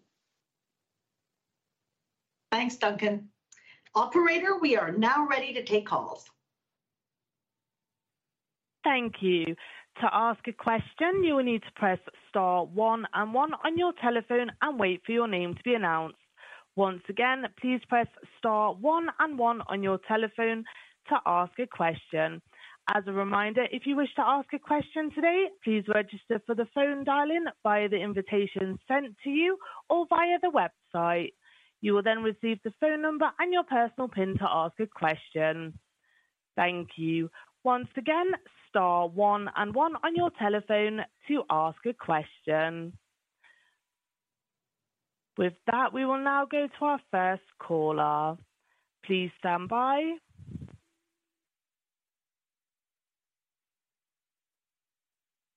Thanks, Duncan. Operator, we are now ready to take calls. Thank you. To ask a question, you will need to press star one and one on your telephone and wait for your name to be announced. Once again, please press star one and one on your telephone to ask a question. As a reminder, if you wish to ask a question today, please register for the phone dial-in via the invitation sent to you or via the website. You will then receive the phone number and your personal pin to ask a question. Thank you. Once again, star one and one on your telephone to ask a question. With that, we will now go to our first caller. Please stand by.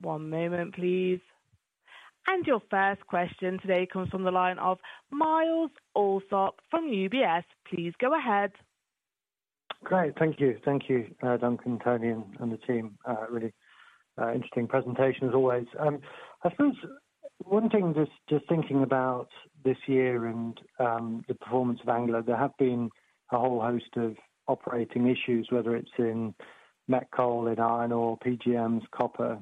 One moment, please. Your first question today comes from the line of Myles Allsop from UBS. Please go ahead. Great. Thank you. Thank you, Duncan, Tony, and the team. Really, interesting presentation as always. I suppose one thing just thinking about this year and the performance of Anglo, there have been a whole host of operating issues, whether it's in met coal, in iron ore PGMs, copper.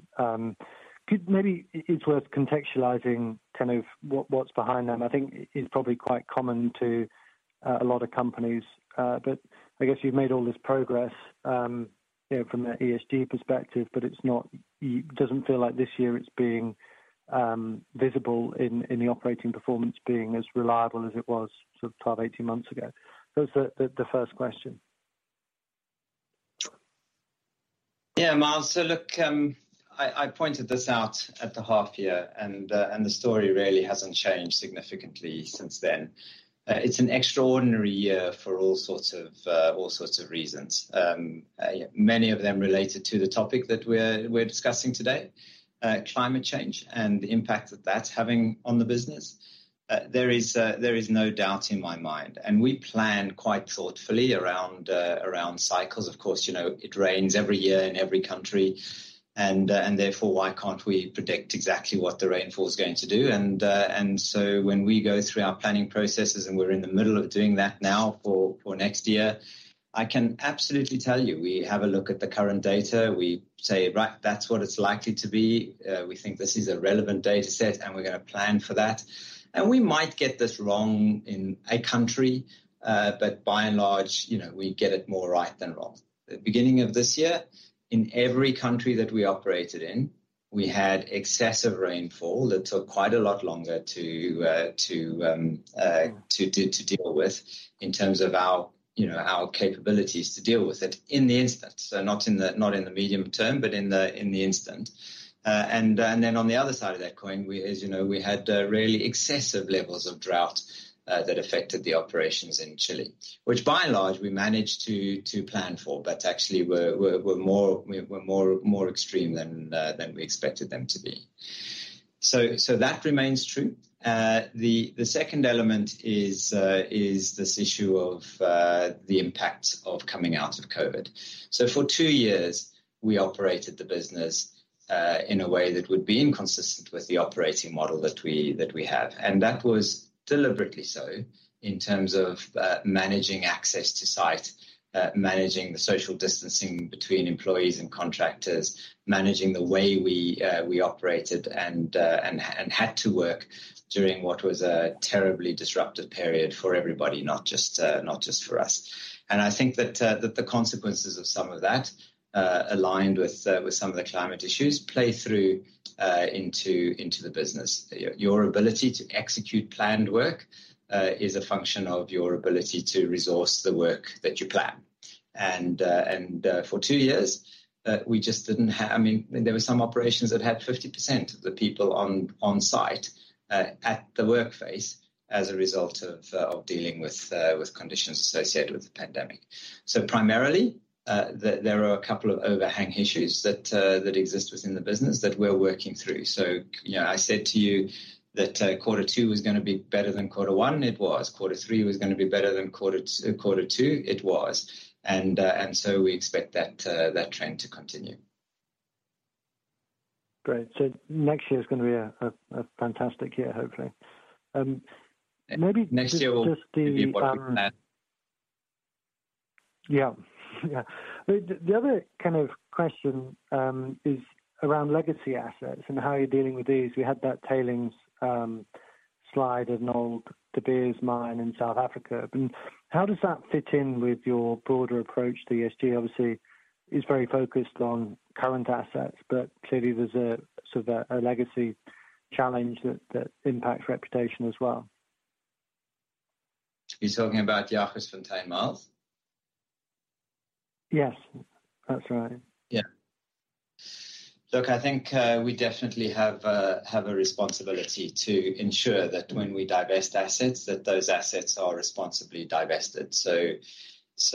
Maybe it's worth contextualizing kind of what's behind them. I think it's probably quite common to a lot of companies, but I guess you've made all this progress, you know, from the ESG perspective, but it doesn't feel like this year it's being visible in the operating performance being as reliable as it was sort of 12, 18 months ago. It's the first question. Yeah. Myles, look, I pointed this out at the half year and the story really hasn't changed significantly since then. It's an extraordinary year for all sorts of reasons. Many of them related to the topic that we're discussing today, climate change and the impact that that's having on the business. There is no doubt in my mind, and we plan quite thoughtfully around cycles. Of course, you know, it rains every year in every country and therefore why can't we predict exactly what the rainfall is going to do. When we go through our planning processes, and we're in the middle of doing that now for next year, I can absolutely tell you, we have a look at the current data. We say, "Right. That's what it's likely to be. We think this is a relevant data set, and we're gonna plan for that." We might get this wrong in a country, but by and large, you know, we get it more right than wrong. The beginning of this year, in every country that we operated in, we had excessive rainfall that took quite a lot longer to deal with in terms of our, you know, our capabilities to deal with it in the instant. Not in the medium term, but in the instant. Then on the other side of that coin, as you know, we had really excessive levels of drought that affected the operations in Chile, which by and large, we managed to plan for, but actually were more extreme than we expected them to be. That remains true. The second element is this issue of the impact of coming out of COVID. For two years we operated the business in a way that would be inconsistent with the operating model that we have. That was deliberately so in terms of managing access to site, managing the social distancing between employees and contractors, managing the way we operated and had to work during what was a terribly disruptive period for everybody, not just for us. I think that the consequences of some of that aligned with some of the climate issues play through into the business. Your ability to execute planned work is a function of your ability to resource the work that you plan. For two years we just didn't—I mean, there were some operations that had 50% of the people on site at the work phase as a result of dealing with conditions associated with the pandemic. Primarily, there are a couple of overhang issues that exist within the business that we're working through. You know, I said to you that quarter two was gonna be better than quarter one, it was. Quarter three was gonna be better than quarter two, it was. We expect that trend to continue. Great. Next year is gonna be a fantastic year, hopefully. Maybe just the Next year will be what we plan. Yeah. Yeah. The other kind of question is around legacy assets and how you're dealing with these. We had that tailings slide of an old De Beers mine in South Africa. How does that fit in with your broader approach to ESG? Obviously, it's very focused on current assets, but clearly there's a sort of a legacy challenge that impacts reputation as well. You're talking about Jagersfontein, Myles? Yes. That's right. Yeah. Look, I think we definitely have a responsibility to ensure that when we divest assets, that those assets are responsibly divested.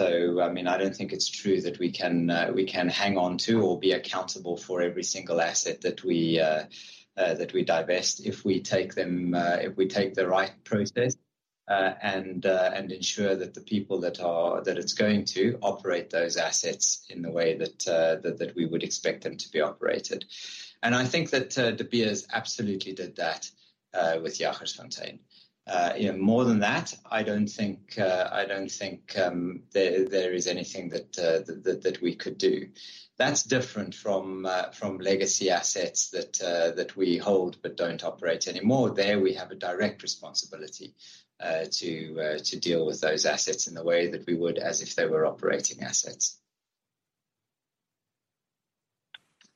I mean, I don't think it's true that we can hang on to or be accountable for every single asset that we divest if we take the right process and ensure that the people that are going to operate those assets in the way that we would expect them to be operated. I think that De Beers absolutely did that with Jagersfontein. You know, more than that, I don't think there is anything that we could do. That's different from legacy assets that we hold but don't operate anymore. There we have a direct responsibility to deal with those assets in the way that we would as if they were operating assets.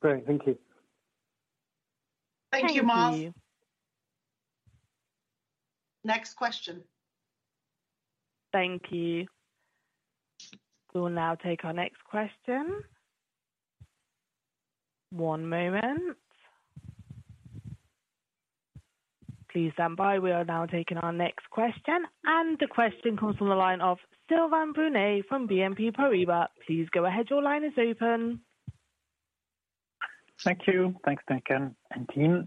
Great. Thank you. Thank you, Myles. Thank you. Next question. Thank you. We will now take our next question. One moment. Please stand by. We are now taking our next question, and the question comes from the line of Sylvain Brunet from BNP Paribas. Please go ahead. Your line is open. Thank you. Thanks, Duncan and team.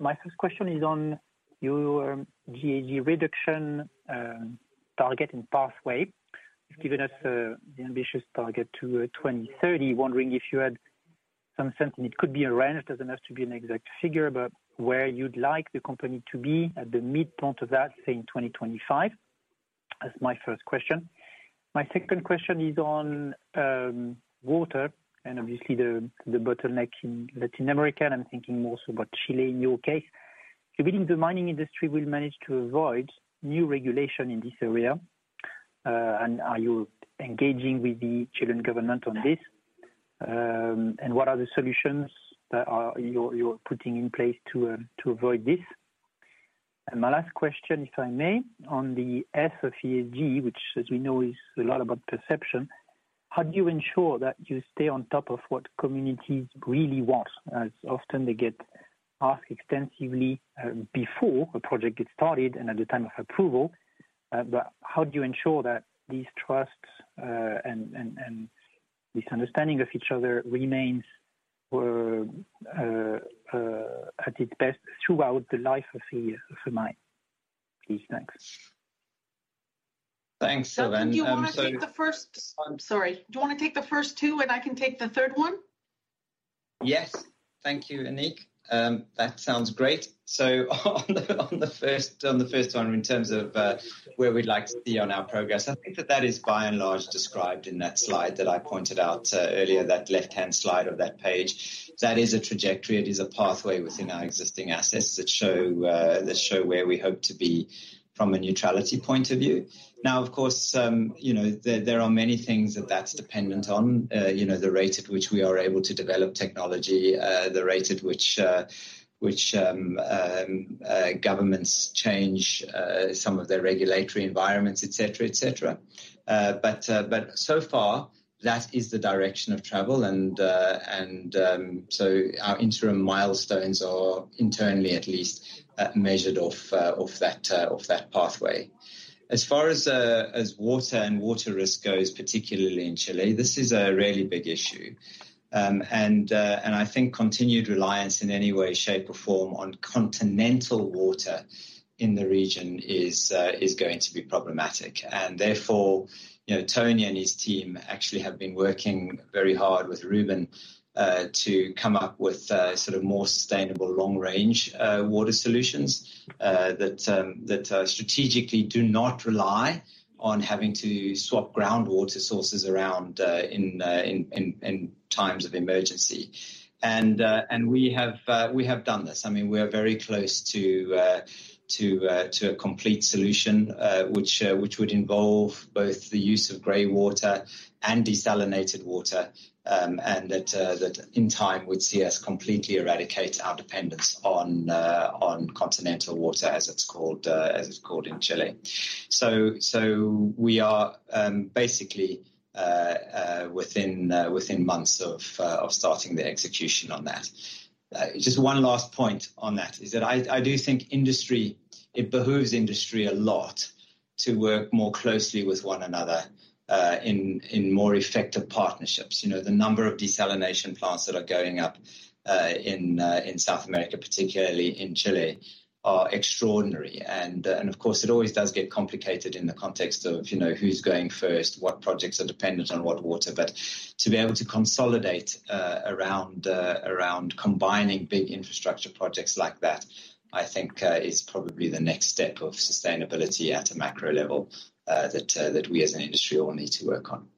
My first question is on your ESG reduction target and pathway. You've given us the ambitious target to 2030. Wondering if you had some sense, and it could be a range, it doesn't have to be an exact figure, but where you'd like the company to be at the midpoint of that, say in 2025. That's my first question. My second question is on water and obviously the bottleneck in Latin America, and I'm thinking more so about Chile in your case. Do you believe the mining industry will manage to avoid new regulation in this area? And are you engaging with the Chilean government on this? And what are the solutions that you're putting in place to avoid this? My last question, if I may, on the S of ESG, which as we know is a lot about perception, how do you ensure that you stay on top of what communities really want? As often they get asked extensively before a project gets started and at the time of approval. But how do you ensure that these trusts and this understanding of each other remains or at its best throughout the life of a mine, please? Thanks. Thanks, Sylvain. Duncan, do you wanna take the first two, and I can take the third one? Yes. Thank you, Anik. That sounds great. On the first one in terms of where we'd like to be on our progress, I think that is by and large described in that slide that I pointed out earlier, that left-hand slide of that page. That is a trajectory. It is a pathway within our existing assets that show where we hope to be from a neutrality point of view. Now, of course, you know, there are many things that that's dependent on. You know, the rate at which we are able to develop technology, the rate at which governments change some of their regulatory environments, et cetera, et cetera. So far that is the direction of travel and so our interim milestones are internally at least measured off of that pathway. As far as water and water risk goes, particularly in Chile, this is a really big issue. I think continued reliance in any way, shape, or form on continental water in the region is going to be problematic. Therefore, you know, Tony and his team actually have been working very hard with Ruben to come up with sort of more sustainable long-range water solutions that strategically do not rely on having to swap groundwater sources around in times of emergency. We have done this. I mean, we are very close to a complete solution, which would involve both the use of gray water and desalinated water, and that in time would see us completely eradicate our dependence on continental water as it's called in Chile. We are basically within months of starting the execution on that. Just one last point on that is that I do think industry, it behooves industry a lot to work more closely with one another in more effective partnerships. You know, the number of desalination plants that are going up in South America, particularly in Chile, are extraordinary. Of course, it always does get complicated in the context of, you know, who's going first, what projects are dependent on what water. To be able to consolidate around combining big infrastructure projects like that, I think is probably the next step of sustainability at a macro level that we as an industry all need to work on.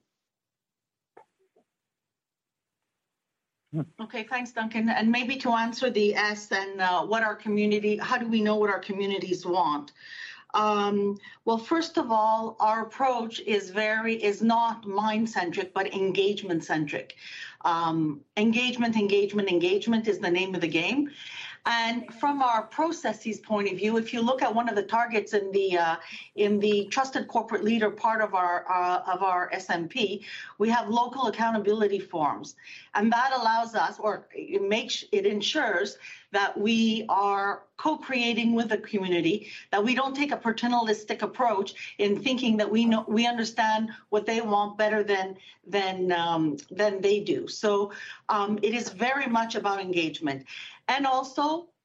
Okay. Thanks, Duncan. Maybe to answer the S then, how do we know what our communities want? Well, first of all, our approach is not mine-centric, but engagement-centric. Engagement, engagement, engagement is the name of the game. From our processes point of view, if you look at one of the targets in the trusted corporate leader part of our SMP, we have local accountability forums. That ensures that we are co-creating with the community, that we don't take a paternalistic approach in thinking that we understand what they want better than they do. It is very much about engagement.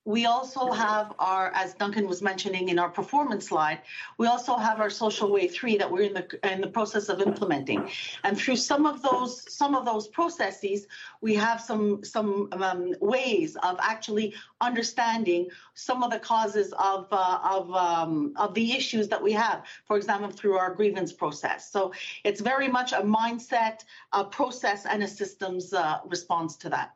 As Duncan was mentioning in our performance slide, we have our Social Way 3.0 that we're in the process of implementing. Through some of those processes, we have some ways of actually understanding some of the causes of the issues that we have. For example, through our grievance process. It's very much a mindset, a process, and a systems response to that.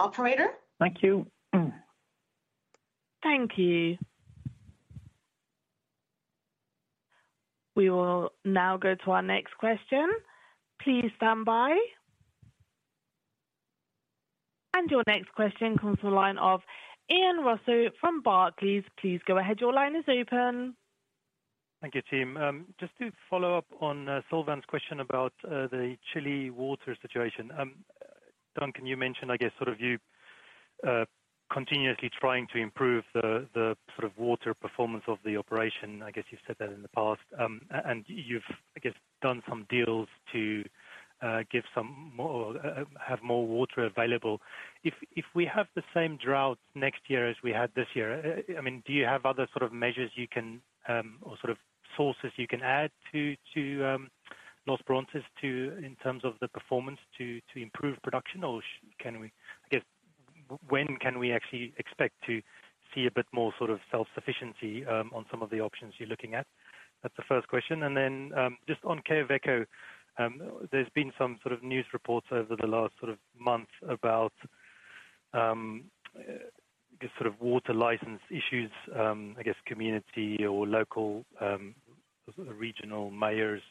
Operator? Thank you. Thank you. We will now go to our next question. Please stand by. Your next question comes from the line of Ian Rossouw from Barclays. Please go ahead. Your line is open. Thank you, team. Just to follow up on Sylvain's question about the Chile water situation. Duncan, you mentioned, I guess, sort of you continuously trying to improve the sort of water performance of the operation. I guess you've said that in the past. And you've, I guess, done some deals to give some more or have more water available. If we have the same droughts next year as we had this year, I mean, do you have other sort of measures you can or sort of sources you can add to Los Bronces in terms of the performance to improve production? Or can we—I guess, when can we actually expect to see a bit more sort of self-sufficiency on some of the options you're looking at? That's the first question. Just on Quellaveco, there's been some sort of news reports over the last sort of month about, I guess sort of water license issues, I guess community or local, sort of regional mayors,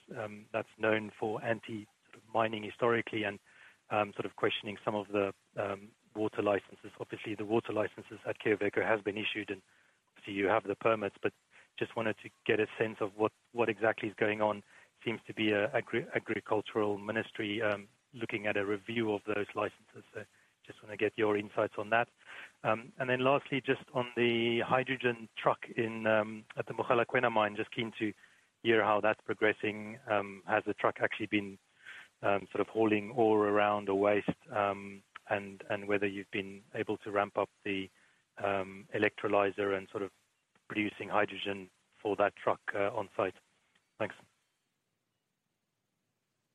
that's known for anti-mining historically and, sort of questioning some of the, water licenses. Obviously, the water licenses at Quellaveco has been issued, and obviously you have the permits, but just wanted to get a sense of what exactly is going on. Seems to be a agricultural ministry, looking at a review of those licenses. Just wanna get your insights on that. And then lastly, just on the hydrogen truck in, at the Mogalakwena mine, just keen to hear how that's progressing. Has the truck actually been sort of hauling ore around or waste, and whether you've been able to ramp up the electrolyzer and sort of producing hydrogen for that truck on site? Thanks.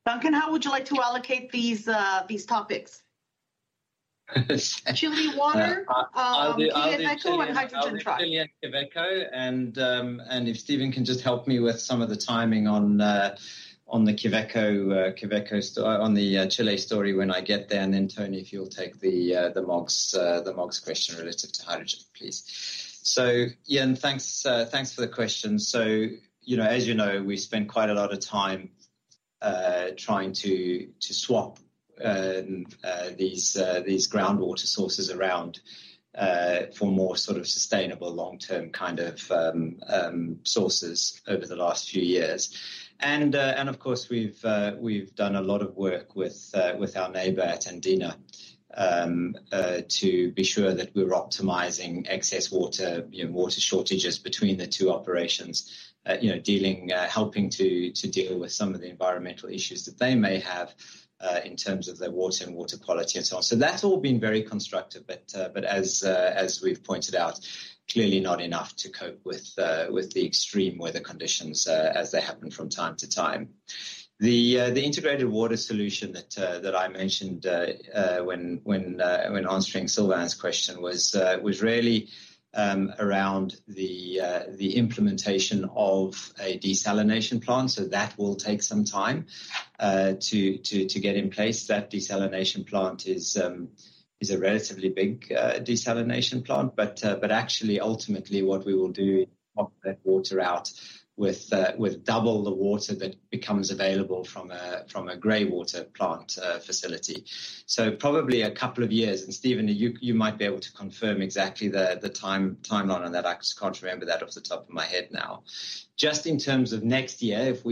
Duncan, how would you like to allocate these topics? Chile water- I'll do. Quellaveco and hydrogen truck. I'll do Chile and Quellaveco and if Stephen can just help me with some of the timing on the Quellaveco on the Chile story when I get there, and then Tony, if you'll take the Mogalakwena question relative to hydrogen, please. Ian, thanks for the question. You know, as you know, we spent quite a lot of time trying to swap these groundwater sources around for more sort of sustainable long-term kind of sources over the last few years. Of course we've done a lot of work with our neighbor at Andina to be sure that we're optimizing excess water, you know, water shortages between the two operations. You know, helping to deal with some of the environmental issues that they may have in terms of their water and water quality and so on. That's all been very constructive. As we've pointed out, clearly not enough to cope with the extreme weather conditions as they happen from time to time. The integrated water solution that I mentioned when answering Sylvain's question was really around the implementation of a desalination plant, so that will take some time to get in place. That desalination plant is a relatively big desalination plant. Actually ultimately what we will do is pump that water out with double the water that becomes available from a gray water plant facility. Probably a couple of years, and Stephen, you might be able to confirm exactly the timeline on that. I just can't remember that off the top of my head now. Just in terms of next year, if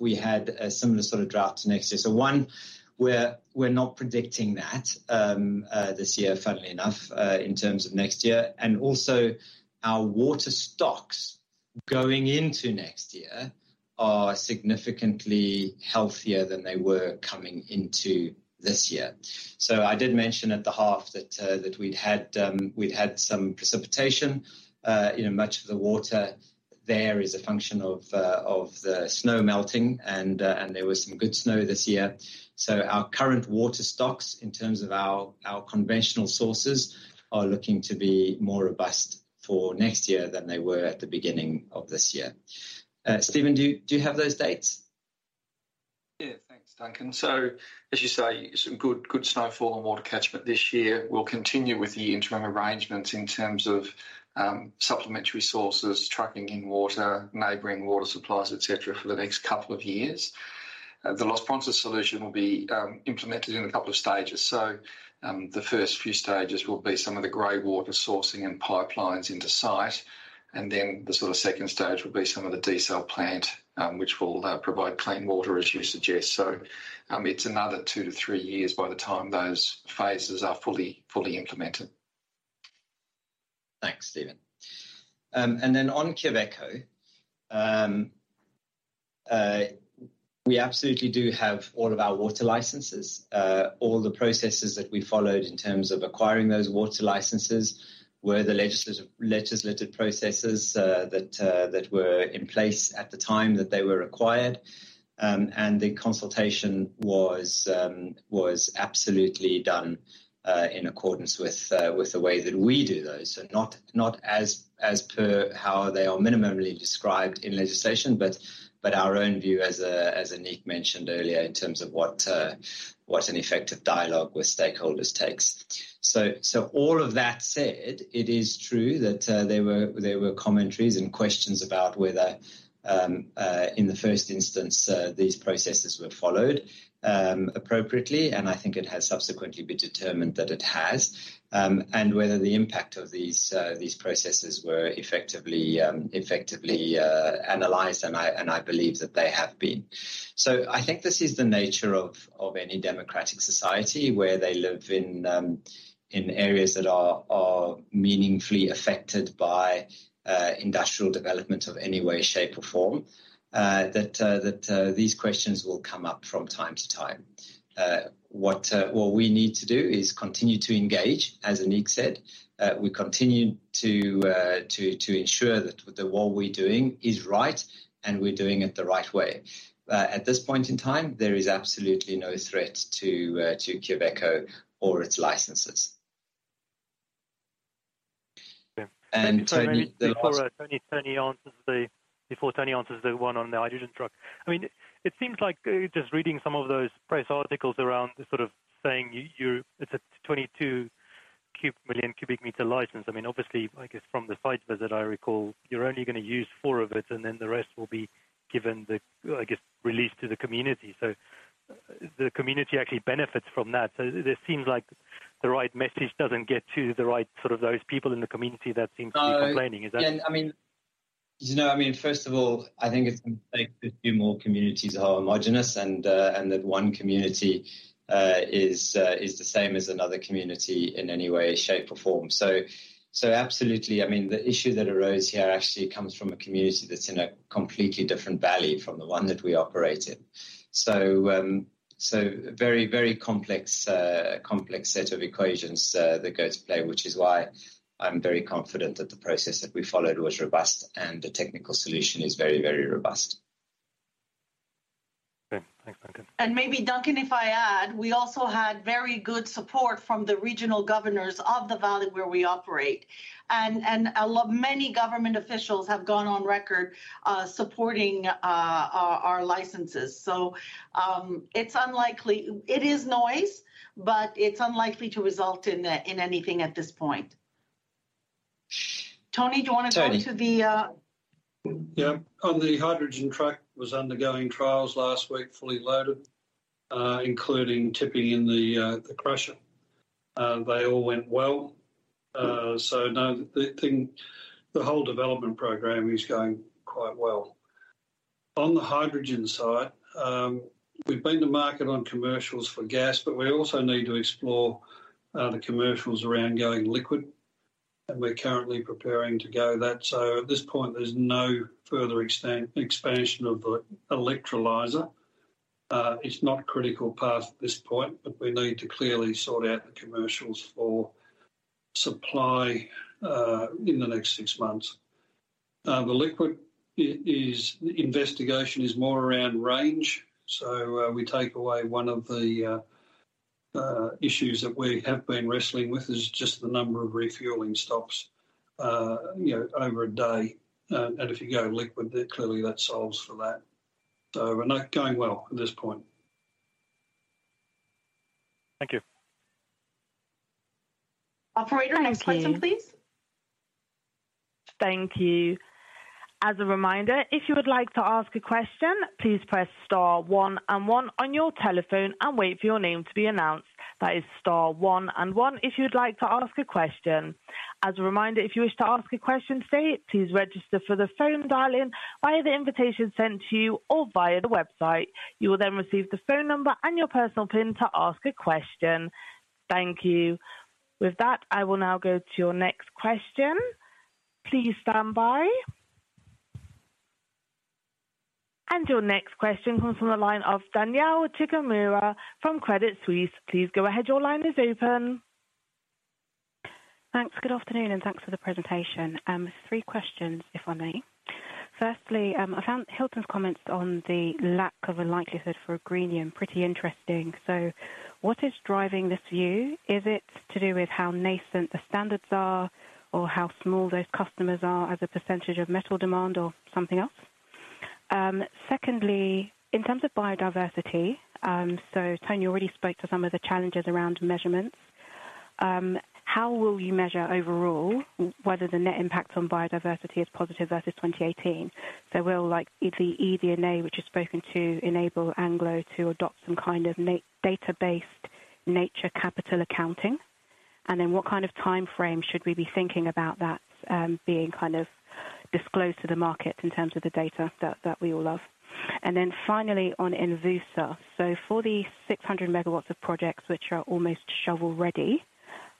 we had a similar sort of drought to this year, one, we're not predicting that this year, funnily enough, in terms of next year. Also our water stocks going into next year are significantly healthier than they were coming into this year. I did mention at the half that we'd had some precipitation. You know, much of the water there is a function of the snow melting and there was some good snow this year. Our current water stocks in terms of our conventional sources are looking to be more robust for next year than they were at the beginning of this year. Stephen, do you have those dates? Yeah. Thanks, Duncan. As you say, some good snowfall and water catchment this year. We'll continue with the interim arrangements in terms of supplementary sources, trucking in water, neighboring water supplies, et cetera, for the next couple of years. The Los Bronces solution will be implemented in a couple of stages. The first few stages will be some of the gray water sourcing and pipelines into site. Then the sort of second stage will be some of the desal plant, which will provide clean water as you suggest. It's another 2-3 years by the time those phases are fully implemented. Thanks, Stephen. On Quellaveco, we absolutely do have all of our water licenses. All the processes that we followed in terms of acquiring those water licenses were the legislative processes that were in place at the time that they were acquired. The consultation was absolutely done in accordance with the way that we do those. Not as per how they are minimally described in legislation, but our own view as Anik mentioned earlier in terms of what an effective dialogue with stakeholders takes. All of that said, it is true that there were commentaries and questions about whether in the first instance these processes were followed appropriately, and I think it has subsequently been determined that it has. Whether the impact of these processes were effectively analyzed, and I believe that they have been. I think this is the nature of any democratic society where they live in areas that are meaningfully affected by industrial development of any way, shape, or form. That these questions will come up from time to time. What we need to do is continue to engage, as Anik said. We continue to ensure that what we're doing is right and we're doing it the right way. At this point in time, there is absolutely no threat to Quellaveco or its licenses. Okay. Tony. Before Tony answers the one on the hydrogen truck. I mean, it seems like just reading some of those press articles around sort of saying you, it's a 22 million cubic meter license. I mean, obviously, I guess from the site visit I recall, you're only gonna use four of it, and then the rest will be released to the community, I guess. So the community actually benefits from that. So there seems like the right message doesn't get to the right sort of those people in the community that seem to be complaining. Is that? No. Again, I mean. You know, I mean, first of all, I think it's like a few more communities are homogeneous and that one community is the same as another community in any way, shape, or form. Absolutely. I mean, the issue that arose here actually comes from a community that's in a completely different valley from the one that we operate in. Very, very complex set of equations that are at play, which is why I'm very confident that the process that we followed was robust and the technical solution is very, very robust. Okay. Thanks, Duncan. Maybe Duncan, if I add, we also had very good support from the regional governors of the valley where we operate. Many government officials have gone on record supporting our licenses. It's unlikely. It is noise, but it's unlikely to result in anything at this point. Tony, do you wanna go to the? Tony. Yeah. On the hydrogen truck, was undergoing trials last week, fully loaded, including tipping in the crusher. They all went well. No. The whole development program is going quite well. On the hydrogen side, we've been to market on commercials for gas, but we also need to explore, the commercials around going liquid, and we're currently preparing to go that. At this point, there's no further expansion of the electrolyzer. It's not critical past this point, but we need to clearly sort out the commercials for supply, in the next six months. The liquid investigation is more around range. We take away one of the, issues that we have been wrestling with is just the number of refueling stops, you know, over a day. If you go liquid, then clearly that solves for that. We're not going well at this point. Thank you. Operator, next question, please. Thank you. As a reminder, if you would like to ask a question, please press star one and one on your telephone and wait for your name to be announced. That is star one and one if you'd like to ask a question. As a reminder, if you wish to ask a question today, please register for the phone dial-in via the invitation sent to you or via the website. You will then receive the phone number and your personal pin to ask a question. Thank you. With that, I will now go to your next question. Please stand by. Your next question comes from the line of Danielle Chigumura from Credit Suisse. Please go ahead. Your line is open. Thanks. Good afternoon, and thanks for the presentation. Three questions, if I may. Firstly, I found Hilton's comments on the lack of a likelihood for a greenium pretty interesting. What is driving this view? Is it to do with how nascent the standards are or how small those customers are as a percentage of metal demand or something else? Secondly, in terms of biodiversity, Tony already spoke to some of the challenges around measurements. How will you measure overall whether the net impact on biodiversity is positive versus 2018? Will like the eDNA, which is supposed to enable Anglo to adopt some kind of nature data based natural capital accounting? What kind of timeframe should we be thinking about that being kind of disclosed to the market in terms of the data that we all love? Finally on Envusa. For the 600 MW of projects which are almost shovel-ready,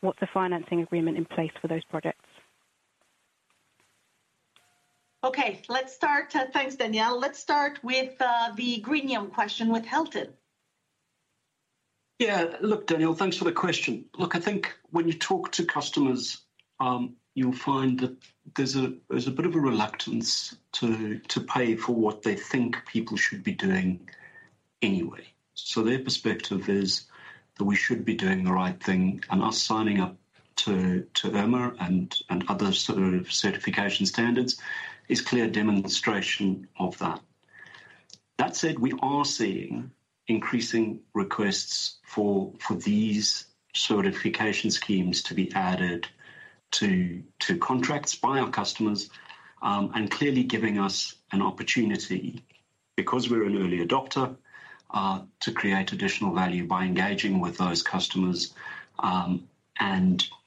what's the financing agreement in place for those projects? Okay, let's start. Thanks, Danielle. Let's start with the greenium question with Hilton. Yeah. Look, Danielle, thanks for the question. Look, I think when you talk to customers, you'll find that there's a bit of a reluctance to pay for what they think people should be doing anyway. Their perspective is that we should be doing the right thing, and us signing up to IRMA and other sort of certification standards is clear demonstration of that. That said, we are seeing increasing requests for these certification standards to be added to contracts by our customers, and clearly giving us an opportunity, because we're an early adopter, to create additional value by engaging with those customers.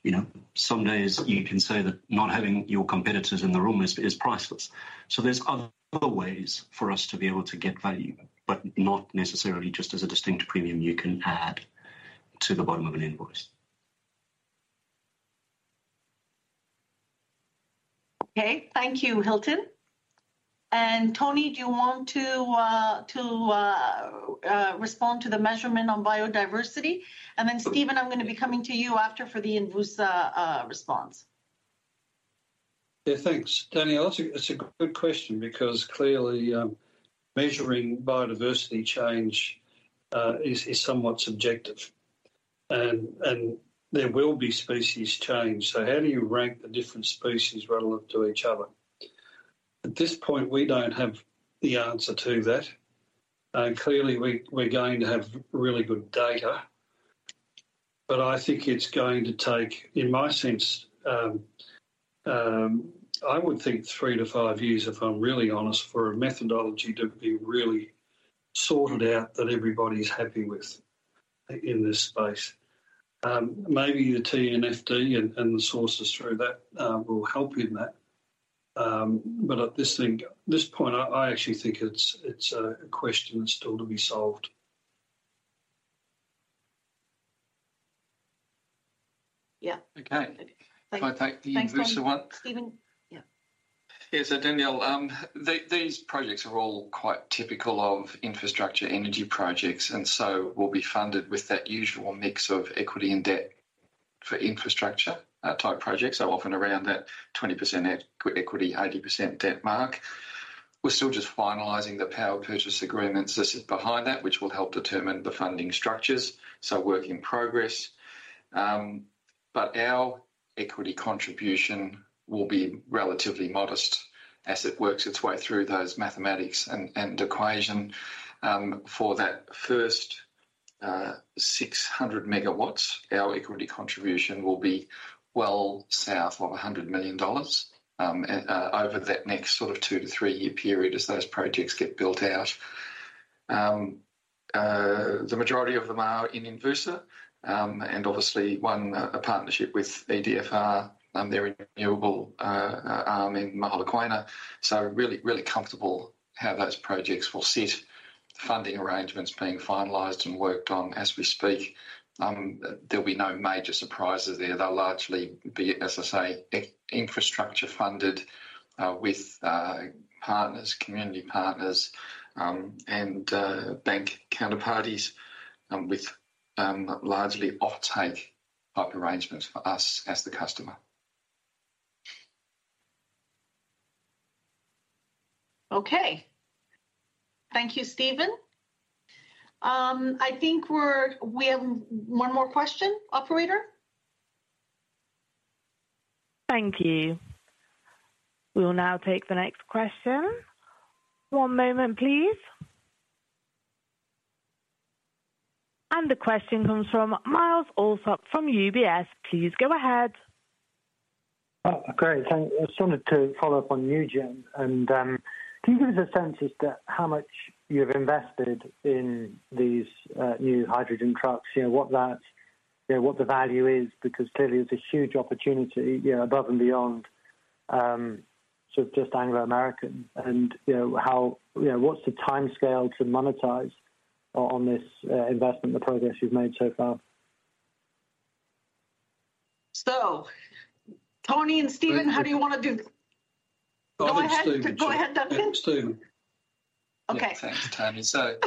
You know, some days you can say that not having your competitors in the room is priceless. there's other ways for us to be able to get value, but not necessarily just as a distinct premium you can add to the bottom of an invoice. Okay. Thank you, Hilton. Tony, do you want to respond to the measurement on biodiversity? Then Stephen, I'm gonna be coming to you after for the Envusa response. Yeah, thanks. Danielle, that's a good question because clearly, measuring biodiversity change is somewhat subjective and there will be species change, so how do you rank the different species relevant to each other? At this point, we don't have the answer to that. Clearly we're going to have really good data, but I think it's going to take, in my sense, I would think 3-5 years, if I'm really honest, for a methodology to be really sorted out that everybody's happy with in this space. Maybe the TNFD and the sources through that will help in that. At this point, I actually think it's a question that's still to be solved. Yeah. Okay. Thank you. Can I take the Envusa one? Thanks, Tony. Stephen? Yeah. Yeah. Danielle, these projects are all quite typical of infrastructure energy projects and will be funded with that usual mix of equity and debt for infrastructure type projects, so often around that 20% equity, 80% debt mark. We're still just finalizing the power purchase agreements that sit behind that, which will help determine the funding structures, work in progress. Our equity contribution will be relatively modest as it works its way through those mathematics and equation for that first 600 MW, our equity contribution will be well south of $100 million over that next sort of two to three-year period as those projects get built out. The majority of them are in Envusa, and obviously one, a partnership with EDFR, their renewable arm in Mogalakwena. Really, really comfortable how those projects will sit. Funding arrangements being finalized and worked on as we speak. There'll be no major surprises there. They'll largely be, as I say, E&C infrastructure funded, with partners, community partners, and bank counterparties, with largely offtake type arrangements for us as the customer. Okay. Thank you, Stephen. I think we have one more question, operator. Thank you. We'll now take the next question. One moment, please. The question comes from Myles Allsop from UBS. Please go ahead. Oh, great. Thank you. I just wanted to follow up on nuGen™ and can you give us a sense as to how much you've invested in these new hydrogen trucks? You know, what that, you know, what the value is? Because clearly it's a huge opportunity, you know, above and beyond, sort of just Anglo American and, you know, how, you know, what's the timescale to monetize on this investment, the progress you've made so far? Tony and Stephen, how do you wanna do this? Go ahead, Stephen. Go ahead. Go ahead, Duncan. Yeah, Stephen. Okay. Thanks, Tony. So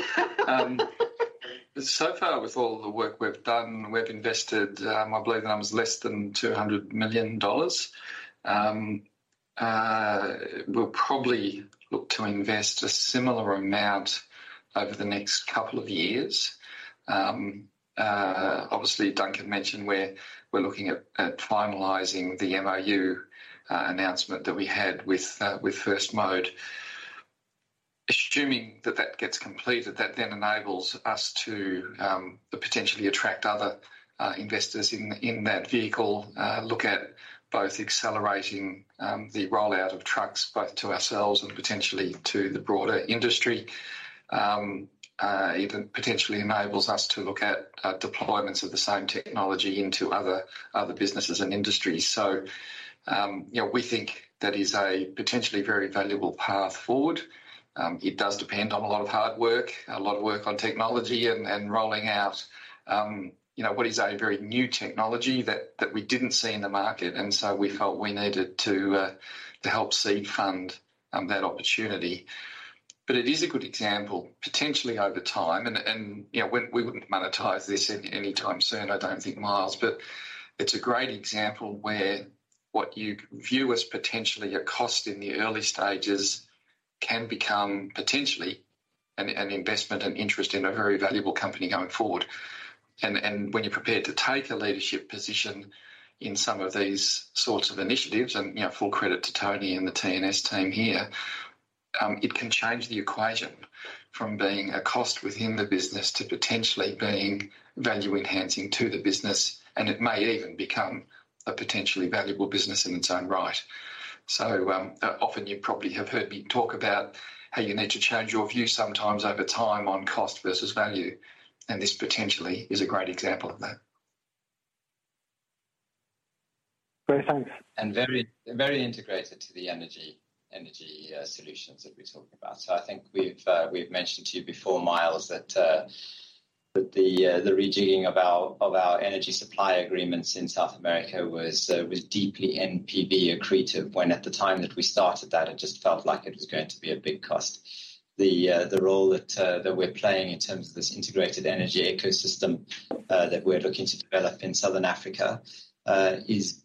far with all the work we've done, we've invested, I believe the number is less than $200 million. We'll probably look to invest a similar amount over the next couple of years. Obviously Duncan mentioned we're looking at finalizing the MoU announcement that we had with First Mode. Assuming that gets completed, that then enables us to potentially attract other investors in that vehicle, look at both accelerating the rollout of trucks both to ourselves and potentially to the broader industry, even potentially enables us to look at deployments of the same technology into other businesses and industries. You know, we think that is a potentially very valuable path forward. It does depend on a lot of hard work, a lot of work on technology and rolling out, you know, what is a very new technology that we didn't see in the market, and so we felt we needed to help seed fund that opportunity. It is a good example potentially over time and, you know, we wouldn't monetize this anytime soon, I don't think, Myles. It's a great example where what you view as potentially a cost in the early stages can become potentially an investment and interest in a very valuable company going forward. When you're prepared to take a leadership position in some of these sorts of initiatives and, you know, full credit to Tony and the T&S team here, it can change the equation from being a cost within the business to potentially being value-enhancing to the business, and it may even become a potentially valuable business in its own right. Often you probably have heard me talk about how you need to change your view sometimes over time on cost versus value, and this potentially is a great example of that. Great. Thanks. Very, very integrated to the energy solutions that we're talking about. I think we've mentioned to you before, Myles, that the rejigging of our energy supply agreements in South America was deeply NPV accretive when at the time that we started that, it just felt like it was going to be a big cost. The role that we're playing in terms of this integrated energy ecosystem that we're looking to develop in Southern Africa is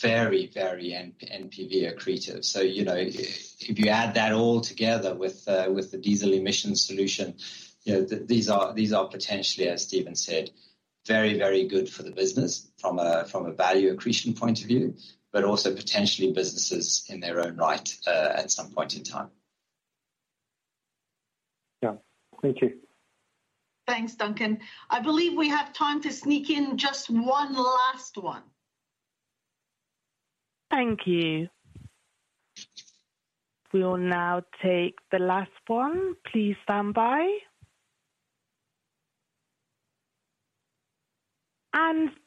very, very NPV accretive. You know, if you add that all together with the diesel emissions solution, you know, these are potentially, as Stephen said, very, very good for the business from a value accretion point of view, but also potentially businesses in their own right, at some point in time. Yeah. Thank you. Thanks, Duncan. I believe we have time to sneak in just one last one. Thank you. We will now take the last one. Please stand by.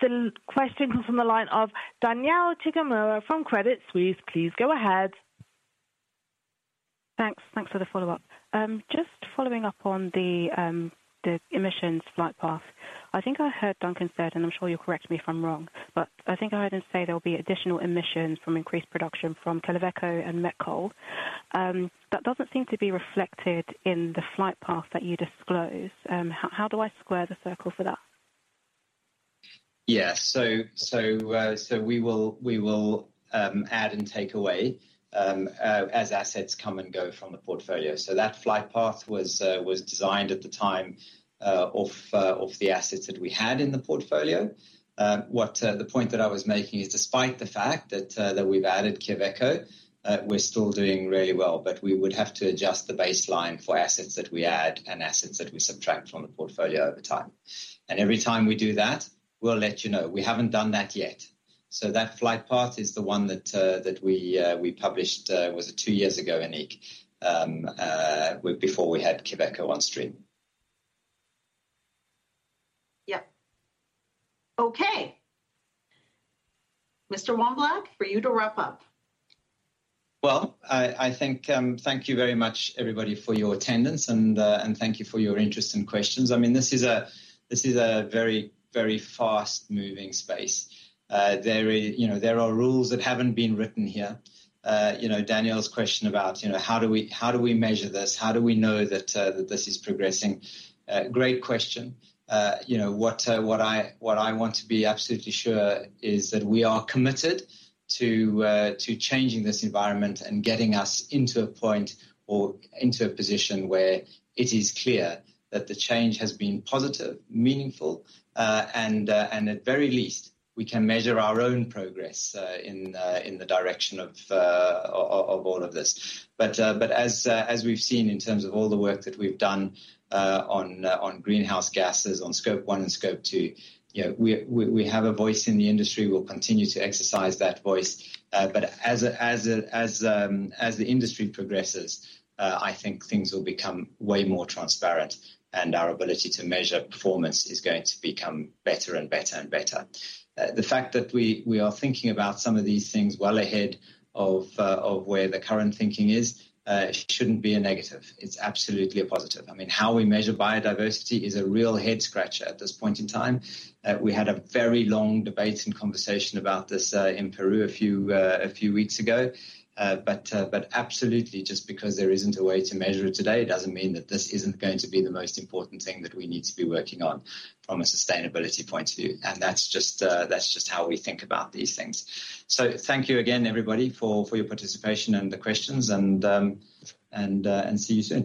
The question comes from the line of Danielle Chigumura from Credit Suisse. Please go ahead. Thanks. Thanks for the follow-up. Just following up on the emissions flight path. I think I heard Duncan said, and I'm sure you'll correct me if I'm wrong, but I think I heard him say there'll be additional emissions from increased production from Quellaveco and met coal. That doesn't seem to be reflected in the flight path that you disclose. How do I square the circle for that? We will add and take away as assets come and go from the portfolio. That flight path was designed at the time of the assets that we had in the portfolio. The point that I was making is despite the fact that we've added Quellaveco, we're still doing really well, but we would have to adjust the baseline for assets that we add and assets that we subtract from the portfolio over time. Every time we do that, we'll let you know. We haven't done that yet. That flight path is the one that we published, was it two years ago, Anik? Before we had Quellaveco on stream. Yep. Okay. Mr. Wanblad, for you to wrap up. I think, thank you very much, everybody, for your attendance and thank you for your interest and questions. I mean, this is a very, very fast-moving space. You know, there are rules that haven't been written here. You know, Danielle's question about, you know, how do we measure this? How do we know that this is progressing? Great question. You know, what I want to be absolutely sure is that we are committed to changing this environment and getting us into a point or into a position where it is clear that the change has been positive, meaningful, and at very least, we can measure our own progress in the direction of all of this. As we've seen in terms of all the work that we've done on greenhouse gases, on Scope 1 and Scope 2, you know, we have a voice in the industry. We'll continue to exercise that voice. As the industry progresses, I think things will become way more transparent and our ability to measure performance is going to become better and better and better. The fact that we are thinking about some of these things well ahead of where the current thinking is shouldn't be a negative. It's absolutely a positive. I mean, how we measure biodiversity is a real head-scratcher at this point in time. We had a very long debate and conversation about this in Peru a few weeks ago. Absolutely, just because there isn't a way to measure it today doesn't mean that this isn't going to be the most important thing that we need to be working on from a sustainability point of view. That's just how we think about these things. Thank you again, everybody, for your participation and the questions and see you soon.